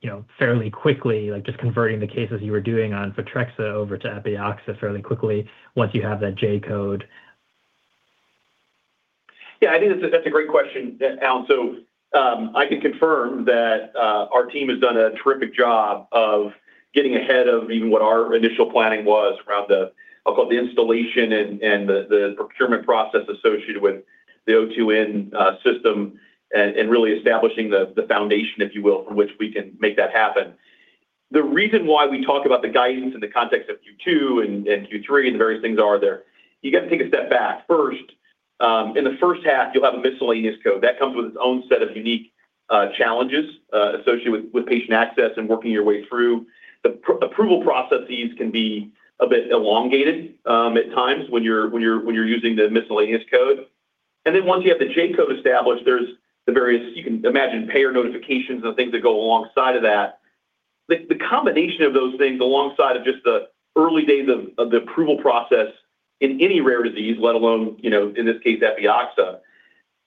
you know, fairly quickly, like, just converting the cases you were doing on Photrexa over to Epioxa fairly quickly once you have that J-code? Yeah, I think that's a great question, Allen. So, I can confirm that our team has done a terrific job of getting ahead of even what our initial planning was around the, I'll call it, the installation and the procurement process associated with the O2N System and really establishing the foundation, if you will, from which we can make that happen. The reason why we talk about the guidance in the context of Q2 and Q3 and the various things are there, you got to take a step back first. In the first half, you'll have a miscellaneous code that comes with its own set of unique challenges associated with patient access and working your way through. The pre-approval processes can be a bit elongated at times when you're using the miscellaneous code. And then once you have the J-code established, there's the various... You can imagine payer notifications and things that go alongside of that. The combination of those things alongside of just the early days of the approval process in any rare disease, let alone, you know, in this case, Epioxa,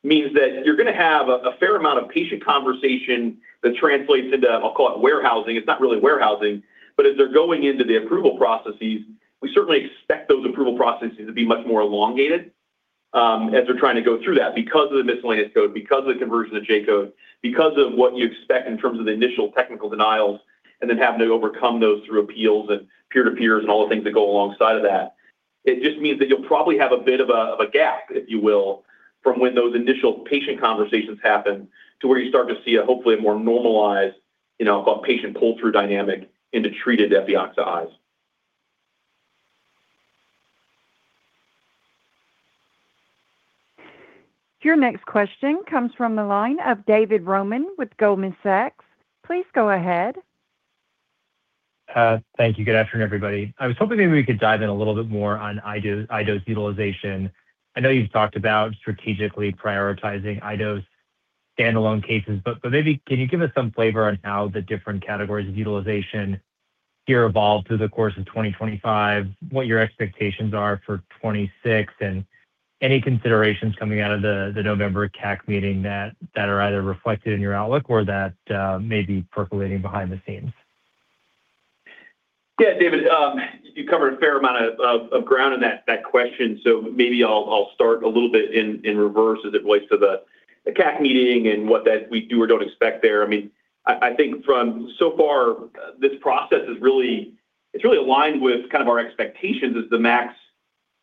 means that you're gonna have a fair amount of patient conversation that translates into, I'll call it, warehousing. It's not really warehousing, but as they're going into the approval processes, we certainly expect those approval processes to be much more elongated, as they're trying to go through that because of the miscellaneous code, because of the conversion to J-code, because of what you expect in terms of the initial technical denials, and then having to overcome those through appeals and peer to peers and all the things that go alongside of that. It just means that you'll probably have a bit of a gap, if you will, from when those initial patient conversations happen to where you start to see hopefully a more normalized, you know, I'll call it, patient pull-through dynamic into treated Epioxa eyes. Your next question comes from the line of David Roman with Goldman Sachs. Please go ahead. Thank you. Good afternoon, everybody. I was hoping maybe we could dive in a little bit more on iDose, iDose utilization. I know you've talked about strategically prioritizing iDose standalone cases, but maybe can you give us some flavor on how the different categories of utilization here evolve through the course of 2025, what your expectations are for 2026, and any considerations coming out of the November CAC meeting that are either reflected in your outlook or that may be percolating behind the scenes? Yeah, David, you covered a fair amount of ground in that question, so maybe I'll start a little bit in reverse as it relates to the CAC meeting and what we do or don't expect there. I mean, I think from so far, this process is really, it's really aligned with kind of our expectations as the MAC.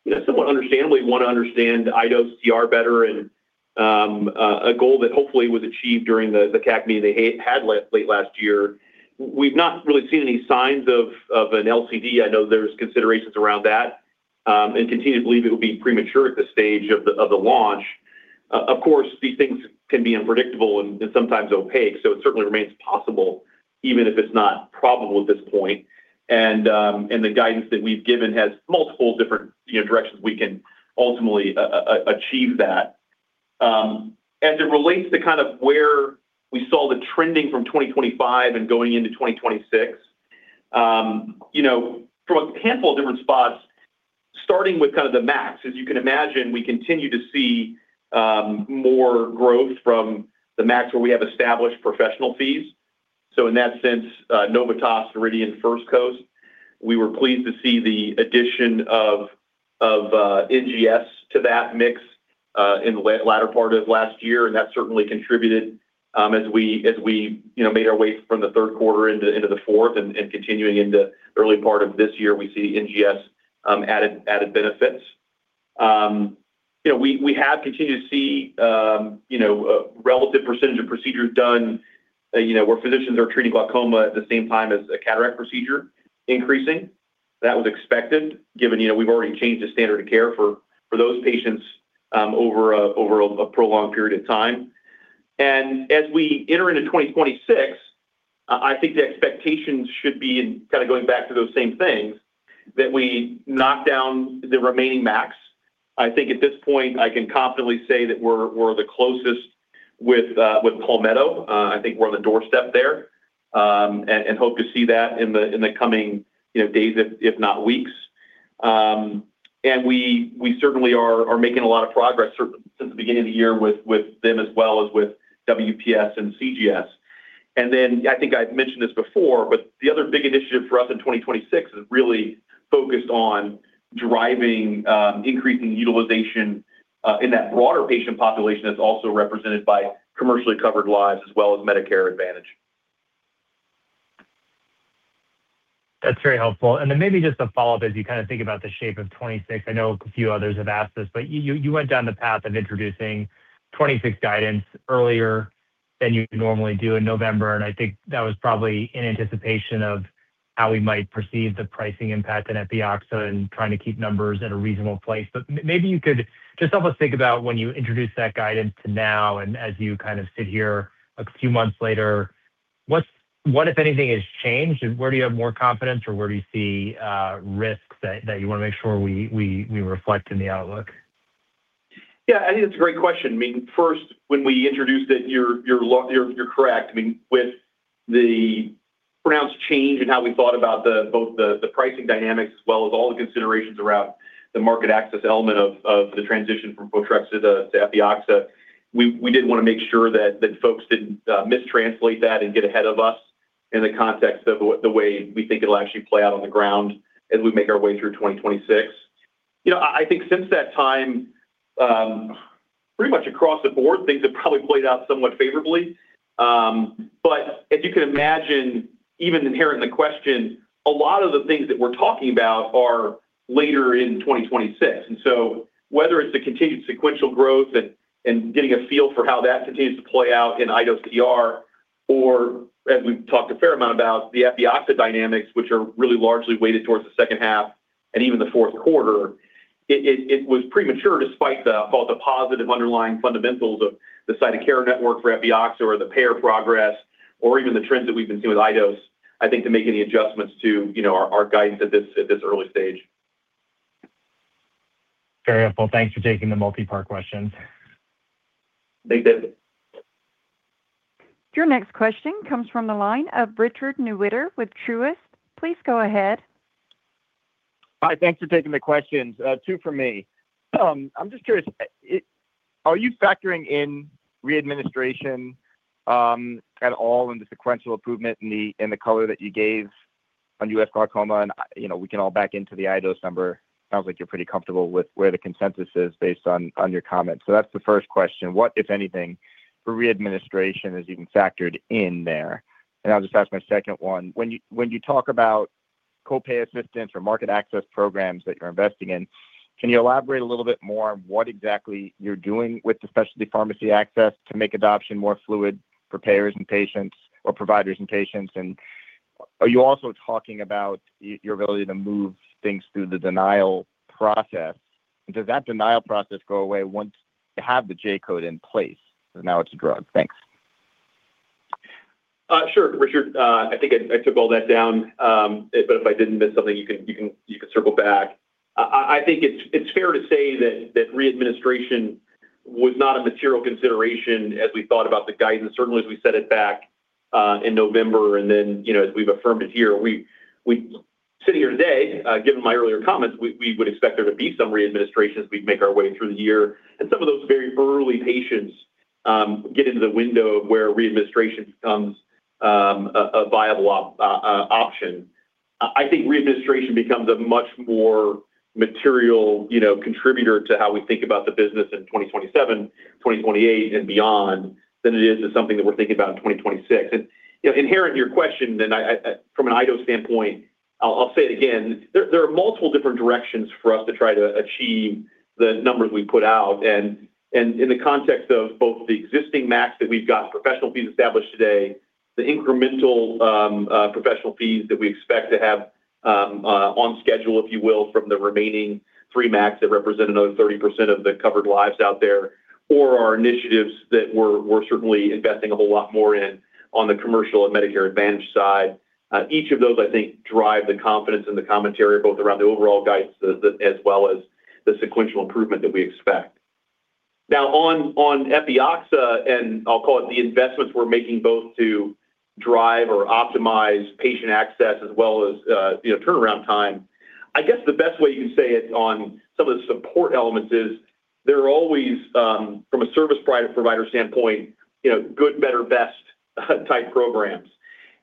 You know, somewhat understandably want to understand iDose TR better and a goal that hopefully was achieved during the CAC meeting they had late last year. We've not really seen any signs of an LCD. I know there's considerations around that, and continue to believe it will be premature at this stage of the launch. Of course, these things can be unpredictable and sometimes opaque, so it certainly remains possible, even if it's not probable at this point, and the guidance that we've given has multiple different, you know, directions we can ultimately achieve that. As it relates to kind of where we saw the trending from 2025 and going into 2026, you know, from a handful of different spots, starting with kind of the MACs, as you can imagine, we continue to see more growth from the MACs, where we have established professional fees. So in that sense, Novitas, Noridian, First Coast, we were pleased to see the addition of NGS to that mix in the latter part of last year, and that certainly contributed as we, as we you know, made our way from the third quarter into the fourth and continuing into early part of this year, we see NGS added benefits. You know, we have continued to see you know, relative percentage of procedures done you know, where physicians are treating glaucoma at the same time as a cataract procedure increasing. That was expected, given you know, we've already changed the standard of care for those patients over a prolonged period of time. As we enter into 2026, I think the expectations should be, and kinda going back to those same things, that we knock down the remaining MACs. I think at this point, I can confidently say that we're the closest with Palmetto. I think we're on the doorstep there, and hope to see that in the coming, you know, days, if not weeks. And we certainly are making a lot of progress, certainly since the beginning of the year with them, as well as with WPS and CGS. And then I think I've mentioned this before, but the other big initiative for us in 2026 is really focused on driving increasing utilization in that broader patient population that's also represented by commercially covered lives as well as Medicare Advantage. That's very helpful. Then maybe just a follow-up as you kinda think about the shape of 2026. I know a few others have asked this, but you went down the path of introducing 2026 guidance earlier than you normally do in November, and I think that was probably in anticipation of how we might perceive the pricing impact in Epioxa and trying to keep numbers at a reasonable place. But maybe you could just help us think about when you introduced that guidance to now and as you kind of sit here a few months later, what, if anything, has changed? And where do you have more confidence, or where do you see risks that you wanna make sure we reflect in the outlook? Yeah, I think that's a great question. I mean, first, when we introduced it, you're correct. I mean, with the pronounced change in how we thought about both the pricing dynamics as well as all the considerations around the market access element of the transition from Photrexa to Epioxa, we did wanna make sure that folks didn't mistranslate that and get ahead of us in the context of the way we think it'll actually play out on the ground as we make our way through 2026. You know, I think since that time, pretty much across the board, things have probably played out somewhat favorably. But as you can imagine, even inherent in the question, a lot of the things that we're talking about are later in 2026. And so whether it's the continued sequential growth and getting a feel for how that continues to play out in iDose TR, or as we've talked a fair amount about, the Epioxa dynamics, which are really largely weighted towards the second half and even the fourth quarter, it was premature, despite all the positive underlying fundamentals of the site of care network for Epioxa or the payer progress or even the trends that we've been seeing with iDose, I think, to make any adjustments to, you know, our guidance at this early stage. Very helpful. Thanks for taking the multi-part questions. Thank you. Your next question comes from the line of Richard Newitter with Truist. Please go ahead. Hi, thanks for taking the questions. Two for me. I'm just curious, are you factoring in readministration at all in the sequential improvement in the, in the color that you gave on U.S. glaucoma? And, you know, we can all back into the iDose number. Sounds like you're pretty comfortable with where the consensus is based on your comments. So that's the first question: What, if anything, readministration is even factored in there? And I'll just ask my second one. When you talk about co-pay assistance or market access programs that you're investing in, can you elaborate a little bit more on what exactly you're doing with the specialty pharmacy access to make adoption more fluid for payers and patients or providers and patients? Are you also talking about your ability to move things through the denial process, and does that denial process go away once you have the J-code in place? So now it's a drug. Thanks. Sure, Richard. I think I took all that down. But if I did miss something, you can circle back. I think it's fair to say that readministration was not a material consideration as we thought about the guidance, certainly as we said it back in November, and then, you know, as we've affirmed it here. We sitting here today, given my earlier comments, we would expect there to be some readministration as we make our way through the year, and some of those very early patients get into the window where readministration becomes a viable option. I think readministration becomes a much more material, you know, contributor to how we think about the business in 2027, 2028, and beyond than it is to something that we're thinking about in 2026. And, you know, inherent in your question, from an iDose standpoint, I'll say it again. There are multiple different directions for us to try to achieve the numbers we put out. And in the context of both the existing MACs that we've got professional fees established today, the incremental professional fees that we expect to have on schedule, if you will, from the remaining three MACs that represent another 30% of the covered lives out there, or our initiatives that we're certainly investing a whole lot more in on the commercial and Medicare Advantage side. Each of those, I think, drive the confidence in the commentary, both around the overall guidance as well as the sequential improvement that we expect. Now, on Epioxa, and I'll call it the investments we're making, both to drive or optimize patient access as well as, you know, turnaround time, I guess the best way you can say it on some of the support elements is they're always, from a service provider standpoint, you know, good, better, best type programs.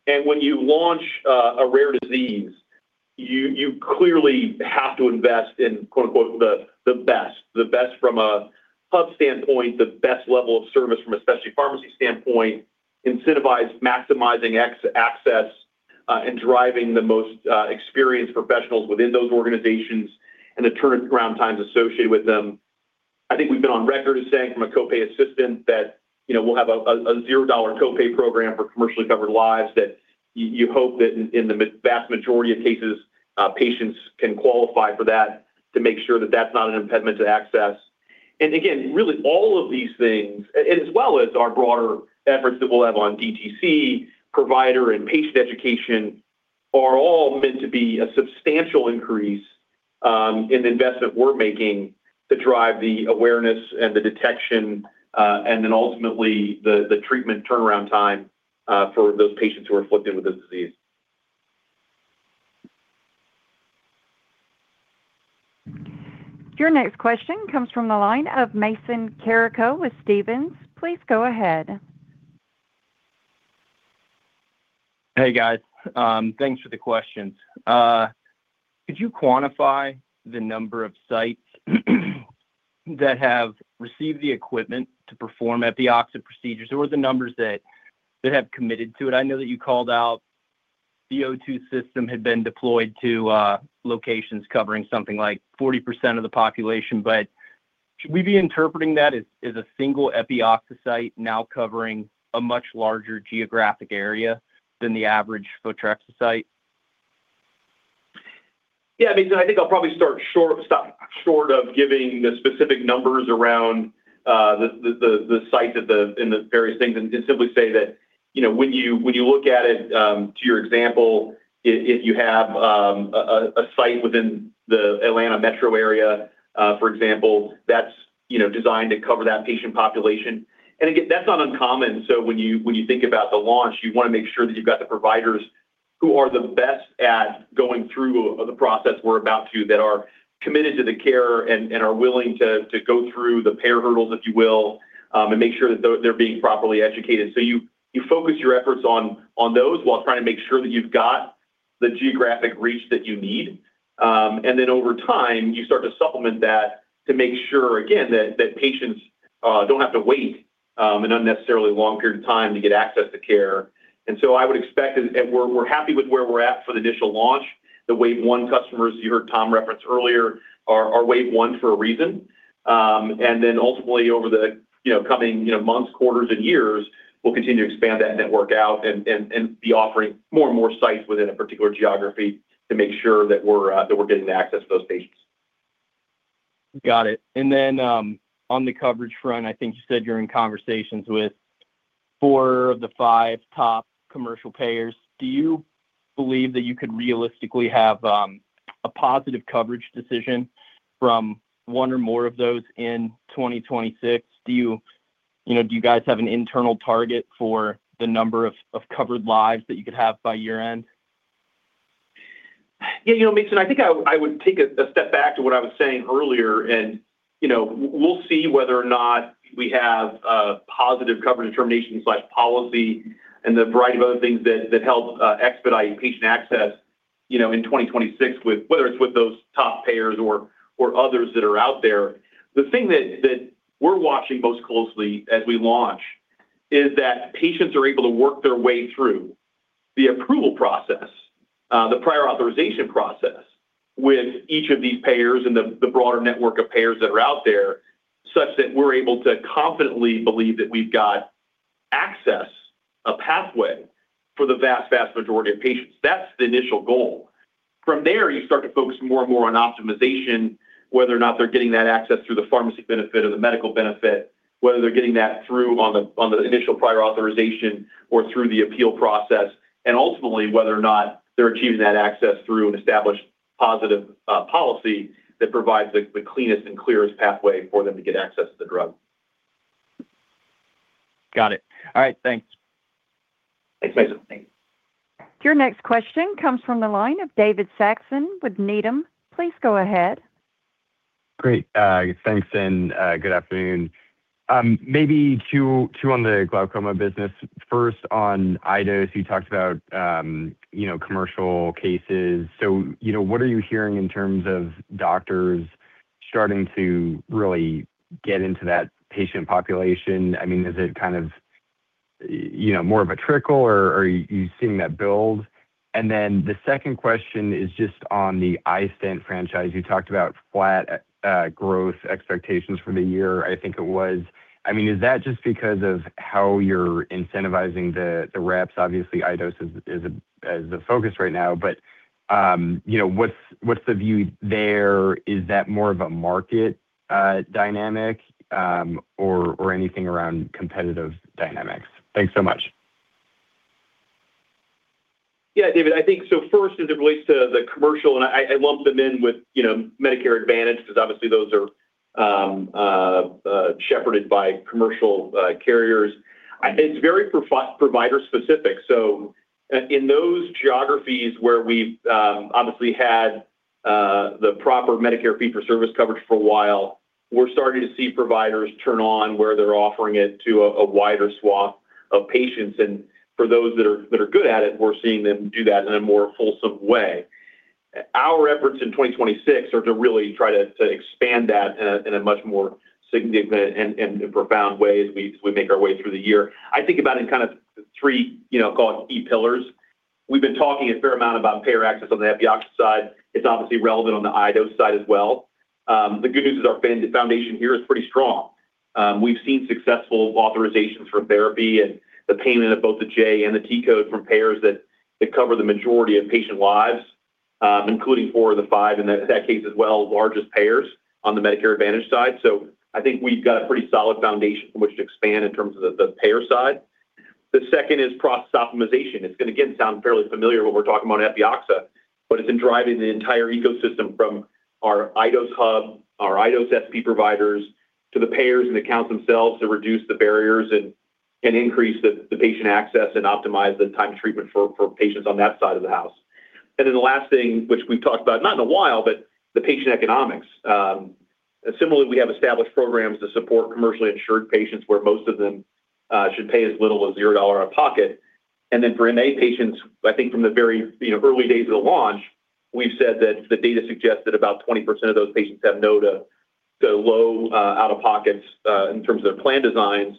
And when you launch, a rare disease, you clearly have to invest in, quote, unquote, "the best," the best from a hub standpoint, the best level of service from a specialty pharmacy standpoint, incentivized, maximizing access, and driving the most experienced professionals within those organizations and the turnaround times associated with them. I think we've been on record as saying from a co-pay assistance that, you know, we'll have a $0 co-pay program for commercially covered lives that you hope that in the vast majority of cases, patients can qualify for that to make sure that that's not an impediment to access. And again, really, all of these things, as well as our broader efforts that we'll have on DTC, provider and patient education, are all meant to be a substantial increase in the investment we're making to drive the awareness and the detection, and then ultimately, the treatment turnaround time, for those patients who are afflicted with this disease. Your next question comes from the line of Mason Carrico with Stephens. Please go ahead. Hey, guys. Thanks for the questions. Could you quantify the number of sites that have received the equipment to perform at the Epioxa procedures, or the numbers that have committed to it? I know that you called out the O2 system had been deployed to locations covering something like 40% of the population, but should we be interpreting that as a single Epioxa site now covering a much larger geographic area than the average Photrexa site? Yeah, I mean, so I think I'll probably start short—stop short of giving the specific numbers around the site and the various things, and just simply say that, you know, when you, when you look at it, to your example, if you have a site within the Atlanta metro area, for example, that's, you know, designed to cover that patient population. And again, that's not uncommon. So when you, when you think about the launch, you wanna make sure that you've got the providers who are the best at going through the process we're about to, that are committed to the care and are willing to go through the payer hurdles, if you will, and make sure that they're being properly educated. So you focus your efforts on those while trying to make sure that you've got the geographic reach that you need. And then over time, you start to supplement that to make sure, again, that patients don't have to wait an unnecessarily long period of time to get access to care. And so I would expect, and we're happy with where we're at for the initial launch. The wave one customers, you heard Tom Burns reference earlier, are wave one for a reason. And then ultimately, over the coming, you know, months, quarters, and years, we'll continue to expand that network out and be offering more and more sites within a particular geography to make sure that we're getting access to those patients. Got it. And then, on the coverage front, I think you said you're in conversations with four of the five top commercial payers. Do you believe that you could realistically have, a positive coverage decision from one or more of those in 2026? Do you... You know, do you guys have an internal target for the number of, of covered lives that you could have by year-end? Yeah, you know, Mason, I think I would, I would take a, a step back to what I was saying earlier, and, you know, we'll see whether or not we have a positive coverage determinations like policy and the variety of other things that, that help, expedite patient access, you know, in 2026, whether it's with those top payers or, or others that are out there. The thing that, that we're watching most closely as we launch is that patients are able to work their way through the approval process, the prior authorization process, with each of these payers and the, the broader network of payers that are out there, such that we're able to confidently believe that we've got access, a pathway, for the vast, vast majority of patients. That's the initial goal. From there, you start to focus more and more on optimization, whether or not they're getting that access through the pharmacy benefit or the medical benefit, whether they're getting that through the initial prior authorization or through the appeal process, and ultimately, whether or not they're achieving that access through an established positive policy that provides the cleanest and clearest pathway for them to get access to the drug. Got it. All right. Thanks. Thanks, Mason. Your next question comes from the line of David Saxon with Needham. Please go ahead. Great. Thanks, and good afternoon. Maybe two on the glaucoma business. First, on iDose, you talked about, you know, commercial cases. So, you know, what are you hearing in terms of doctors starting to really get into that patient population? I mean, is it kind of, you know, more of a trickle, or are you seeing that build? And then the second question is just on the iStent franchise. You talked about flat growth expectations for the year, I think it was. I mean, is that just because of how you're incentivizing the reps? Obviously, iDose is the focus right now, but, you know, what's the view there? Is that more of a market dynamic, or anything around competitive dynamics? Thanks so much. Yeah, David, I think so first, as it relates to the commercial, and I, I lump them in with, you know, Medicare Advantage, because obviously those are shepherded by commercial carriers. I think it's very provider-specific. So in those geographies where we've obviously had the proper Medicare fee-for-service coverage for a while, we're starting to see providers turn on, where they're offering it to a wider swath of patients. And for those that are, that are good at it, we're seeing them do that in a more fulsome way. Our efforts in 2026 are to really try to expand that in a much more significant and profound way as we make our way through the year. I think about in kind of three, you know, call it key pillars. We've been talking a fair amount about payer access on the Epioxa side. It's obviously relevant on the iDose side as well. The good news is our foundation here is pretty strong. We've seen successful authorizations for therapy and the payment of both the J-code and the T-code from payers that cover the majority of patient lives, including four of the five, in that case as well, largest payers on the Medicare Advantage side. So I think we've got a pretty solid foundation from which to expand in terms of the payer side. The second is process optimization. It's going to, again, sound fairly familiar when we're talking about Epioxa, but it's in driving the entire ecosystem from our iDose hub, our iDose SP providers, to the payers and accounts themselves to reduce the barriers and increase the patient access and optimize the time to treatment for patients on that side of the house. And then the last thing, which we've talked about, not in a while, but the patient economics. Similarly, we have established programs to support commercially insured patients, where most of them should pay as little as $0 out of pocket. Then for MA patients, I think from the very, you know, early days of the launch, we've said that the data suggests that about 20% of those patients have no to low out-of-pockets in terms of their plan designs,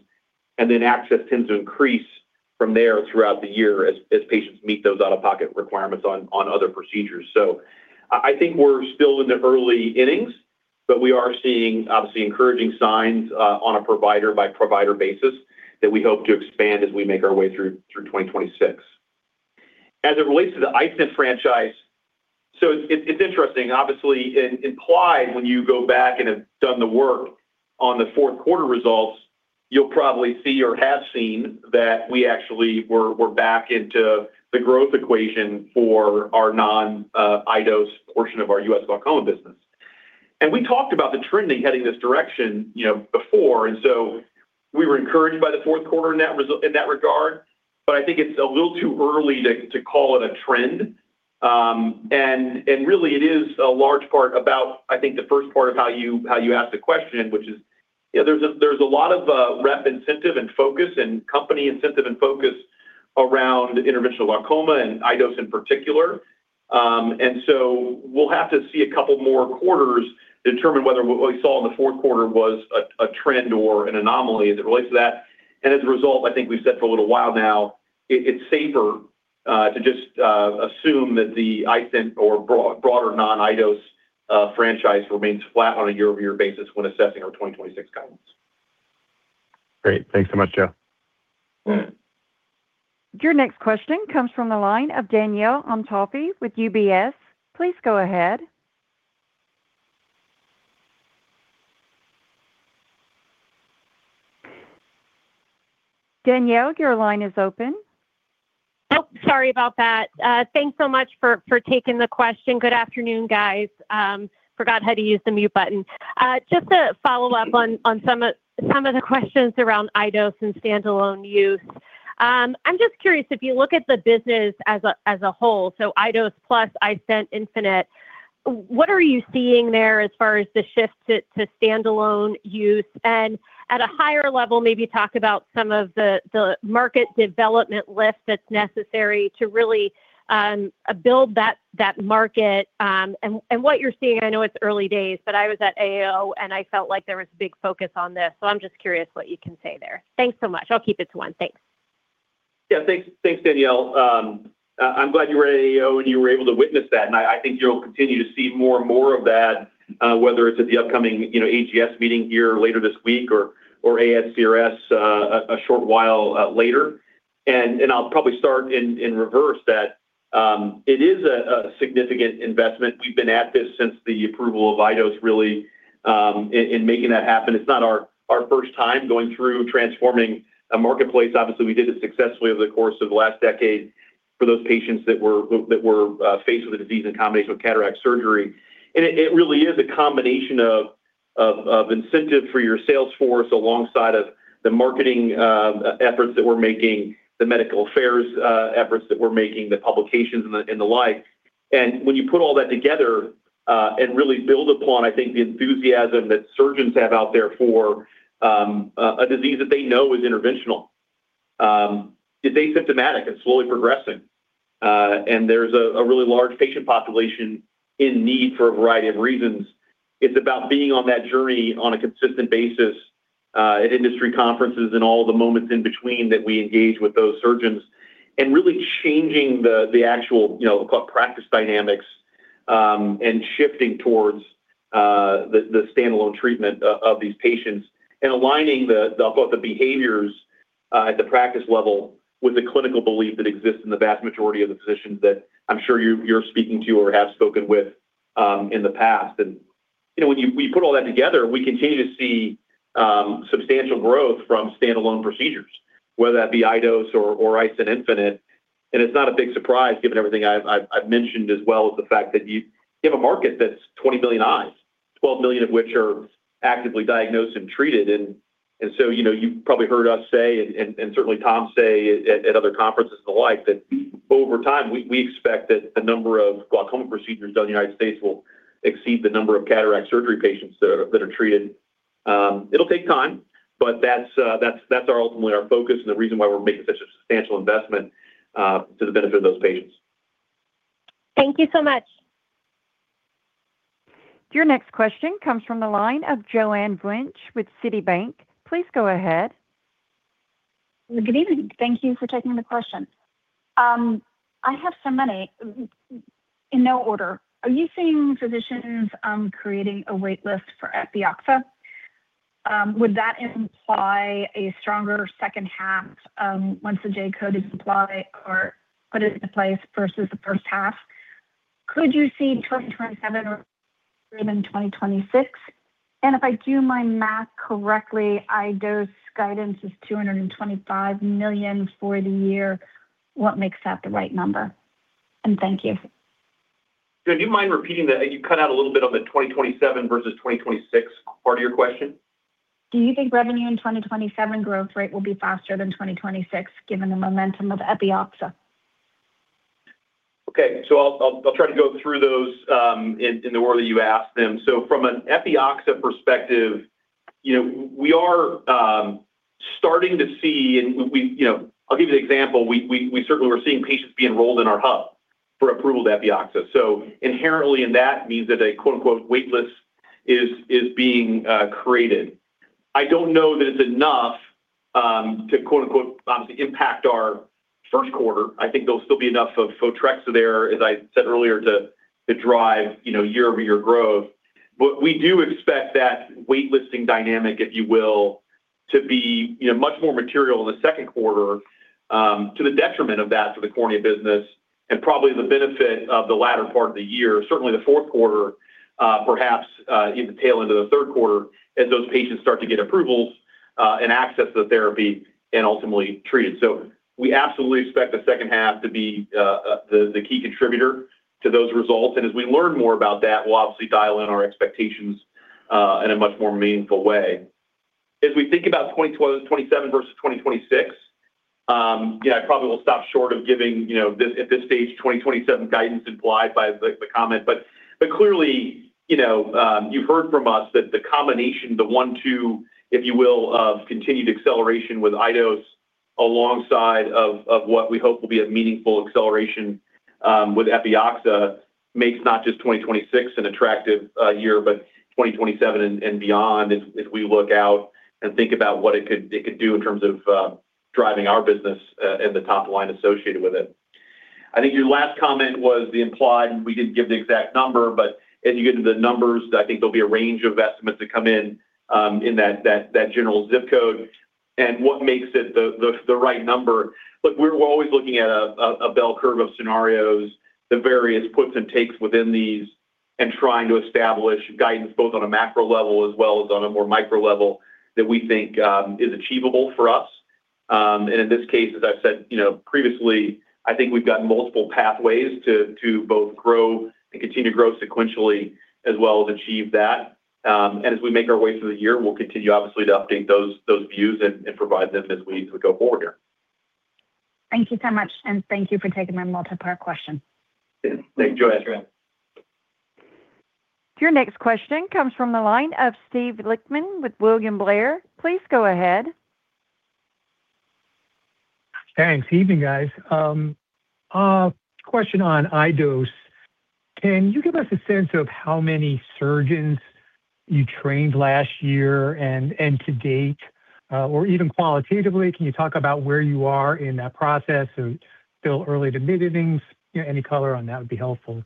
and then access tends to increase from there throughout the year as patients meet those out-of-pocket requirements on other procedures. So I think we're still in the early innings, but we are seeing, obviously, encouraging signs on a provider-by-provider basis that we hope to expand as we make our way through 2026. As it relates to the iStent franchise, so it's interesting, obviously implied when you go back and have done the work on the fourth quarter results, you'll probably see or have seen that we actually were back into the growth equation for our non-iDose portion of our U.S. glaucoma business. We talked about the trending heading this direction, you know, before, and so we were encouraged by the fourth quarter in that regard. But I think it's a little too early to call it a trend. Really, it is a large part about, I think, the first part of how you ask the question, which is, you know, there's a lot of rep incentive and focus and company incentive and focus around interventional glaucoma and iDose in particular. So we'll have to see a couple more quarters to determine whether what we saw in the fourth quarter was a trend or an anomaly as it relates to that. As a result, I think we've said for a little while now, it's safer to just assume that the iStent or broader non-iDose franchise remains flat on a year-over-year basis when assessing our 2026 guidance. Great. Thanks so much, Joe. Your next question comes from the line of Danielle Antalffy with UBS. Please go ahead. Danielle, your line is open. Oh, sorry about that. Thanks so much for, for taking the question. Good afternoon, guys. Forgot how to use the mute button. Just to follow up on, on some of, some of the questions around iDose and standalone use. I'm just curious if you look at the business as a, as a whole, so iDose plus iStent infinite, what are you seeing there as far as the shift to, to standalone use? And at a higher level, maybe talk about some of the, the market development lift that's necessary to really, build that, that market, and, and what you're seeing. I know it's early days, but I was at AAO, and I felt like there was a big focus on this. So I'm just curious what you can say there. Thanks so much. I'll keep it to one. Thanks. Yeah. Thanks. Thanks, Danielle. I'm glad you were at AAO and you were able to witness that, and I think you'll continue to see more and more of that, whether it's at the upcoming, you know, AGS meeting here later this week or ASCRS a short while later. And I'll probably start in reverse that it is a significant investment. We've been at this since the approval of iDose, really in making that happen. It's not our first time going through transforming a marketplace. Obviously, we did it successfully over the course of the last decade for those patients that were faced with the disease in combination with cataract surgery. It really is a combination of incentive for your sales force alongside the marketing efforts that we're making, the medical affairs efforts that we're making, the publications and the like. When you put all that together and really build upon, I think the enthusiasm that surgeons have out there for a disease that they know is interventional, it's asymptomatic and slowly progressing, and there's a really large patient population in need for a variety of reasons. It's about being on that journey on a consistent basis at industry conferences and all the moments in between that we engage with those surgeons and really changing the actual, you know, practice dynamics and shifting towards the standalone treatment of these patients and aligning both the behaviors at the practice level with the clinical belief that exists in the vast majority of the physicians that I'm sure you're speaking to or have spoken with in the past. And, you know, we put all that together, we continue to see substantial growth from standalone procedures, whether that be iDose or iStent infinite. It's not a big surprise, given everything I've mentioned, as well as the fact that you have a market that's 20 million eyes, 12 million of which are actively diagnosed and treated. So, you know, you've probably heard us say, and certainly Tom say at other conferences and the like, that over time, we expect that the number of glaucoma procedures done in the United States will exceed the number of cataract surgery patients that are treated. It'll take time, but that's ultimately our focus and the reason why we're making such a substantial investment to the benefit of those patients. Thank you so much. Your next question comes from the line of Joanne Wuensch with Citi. Please go ahead. Good evening. Thank you for taking the question. I have so many. In no order, are you seeing physicians creating a wait list for Epioxa? Would that imply a stronger second half once the J-code is applied or put into place versus the first half? Could you see 2027 or even 2026? And if I do my math correctly, iDose guidance is $225 million for the year. What makes that the right number? And thank you. Do you mind repeating that? You cut out a little bit on the 2027 versus 2026 part of your question. Do you think revenue in 2027 growth rate will be faster than 2026, given the momentum of Epioxa? Okay, so I'll try to go through those in the order that you asked them. So from an Epioxa perspective, you know, we are starting to see, and we you know... I'll give you an example. We certainly are seeing patients be enrolled in our hub for approval of Epioxa. So inherently in that means that a quote, unquote, "wait list" is being created. I don't know that it's enough to quote-unquote, "obviously impact our first quarter." I think there'll still be enough of Photrexa there, as I said earlier, to drive, you know, year-over-year growth. But we do expect that wait listing dynamic, if you will, to be, you know, much more material in the second quarter, to the detriment of that, to the cornea business and probably the benefit of the latter part of the year, certainly the fourth quarter, perhaps even tail end of the third quarter, as those patients start to get approvals, and access the therapy and ultimately treated. So we absolutely expect the second half to be, the key contributor to those results. And as we learn more about that, we'll obviously dial in our expectations, in a much more meaningful way. As we think about 2027 versus 2026, yeah, I probably will stop short of giving, you know, this, at this stage, 2027 guidance implied by the comment. But clearly, you know, you've heard from us that the combination, the one, two, if you will, of continued acceleration with iDose alongside of what we hope will be a meaningful acceleration with Epioxa, makes not just 2026 an attractive year, but 2027 and beyond, as we look out and think about what it could do in terms of driving our business and the top line associated with it. I think your last comment was the implied, we didn't give the exact number, but as you get into the numbers, I think there'll be a range of estimates that come in in that general zip code. And what makes it the right number? Look, we're always looking at a bell curve of scenarios, the various puts and takes within these and trying to establish guidance both on a macro level as well as on a more micro level that we think is achievable for us. And in this case, as I've said, you know, previously, I think we've got multiple pathways to both grow and continue to grow sequentially as well as achieve that. And as we make our way through the year, we'll continue, obviously, to update those views and provide them as we go forward here. Thank you so much, and thank you for taking my multipart question. Yeah. Thank you, Joanne. Your next question comes from the line of Steve Lichtman with William Blair. Please go ahead. Thanks. Evening, guys. Question on iDose. Can you give us a sense of how many surgeons you trained last year and to date? Or even qualitatively, can you talk about where you are in that process or still early to mid-innings? Any color on that would be helpful.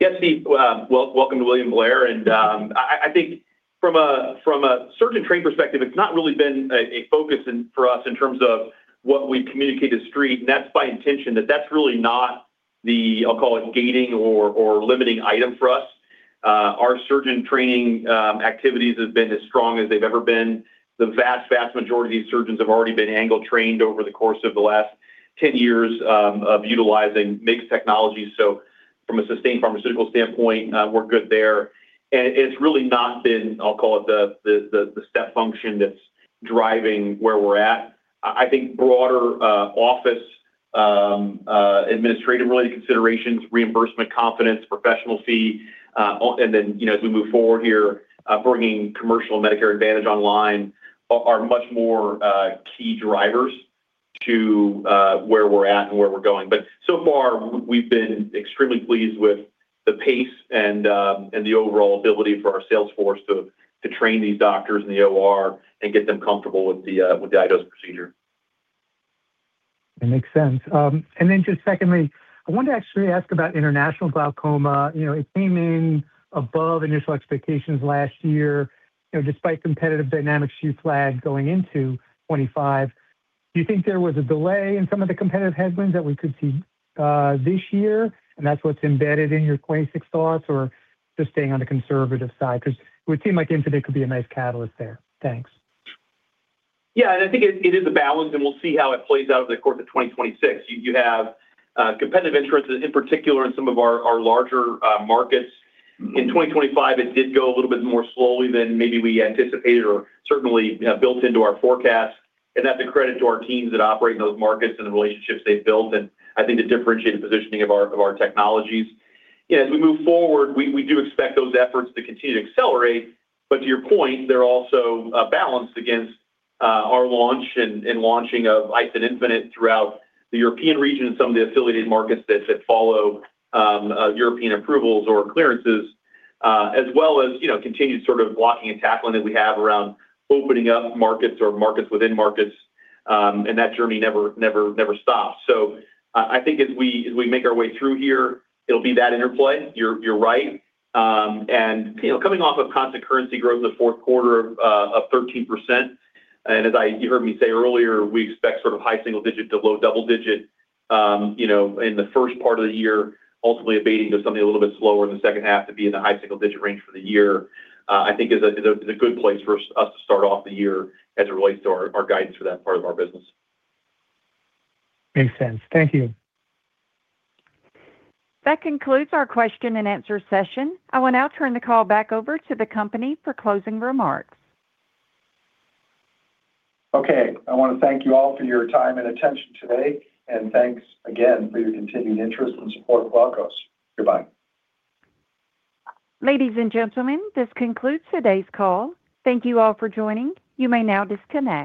Yes, Steve. Welcome to William Blair, and I think from a surgeon training perspective, it's not really been a focus in for us in terms of what we communicate to Street, and that's by intention, that's really not the, I'll call it, gating or limiting item for us. Our surgeon training activities have been as strong as they've ever been. The vast, vast majority of these surgeons have already been angle trained over the course of the last 10 years of utilizing MIGS technologies. So from a sustained pharmaceutical standpoint, we're good there. And it's really not been, I'll call it the step function that's driving where we're at. I think broader office administrative-related considerations, reimbursement, confidence, professional fee and then, you know, as we move forward here, bringing commercial Medicare Advantage online are much more key drivers to where we're at and where we're going. But so far, we've been extremely pleased with the pace and the overall ability for our sales force to train these doctors in the OR and get them comfortable with the iDose procedure. That makes sense. And then just secondly, I wanted to actually ask about international glaucoma. You know, it came in above initial expectations last year, you know, despite competitive dynamics, you flagged going into 2025. Do you think there was a delay in some of the competitive headwinds that we could see this year, and that's what's embedded in your 2026 thoughts, or just staying on the conservative side? Because it would seem like infinite could be a nice catalyst there. Thanks. Yeah, and I think it, it is a balance, and we'll see how it plays out over the course of 2026. You, you have competitive interests, in particular in some of our, our larger markets. In 2025, it did go a little bit more slowly than maybe we anticipated or certainly built into our forecast. And that's a credit to our teams that operate in those markets and the relationships they've built, and I think the differentiated positioning of our, of our technologies. As we move forward, we do expect those efforts to continue to accelerate, but to your point, they're also balanced against our launch and launching of iStent and Infinite throughout the European region and some of the affiliated markets that follow European approvals or clearances, as well as, you know, continued sort of blocking and tackling that we have around opening up markets or markets within markets, and that journey never, never, never stops. So I think as we make our way through here, it'll be that interplay. You're right. And, you know, coming off of constant currency growth in the fourth quarter of 13%, and as you heard me say earlier, we expect sort of high single-digit to low double-digit, you know, in the first part of the year, ultimately abating to something a little bit slower in the second half to be in the high single-digit range for the year, I think is a good place for us to start off the year as it relates to our guidance for that part of our business. Makes sense. Thank you. That concludes our question and answer session. I will now turn the call back over to the company for closing remarks. Okay, I want to thank you all for your time and attention today, and thanks again for your continued interest and support for Glaukos. Goodbye. Ladies and gentlemen, this concludes today's call. Thank you all for joining. You may now disconnect.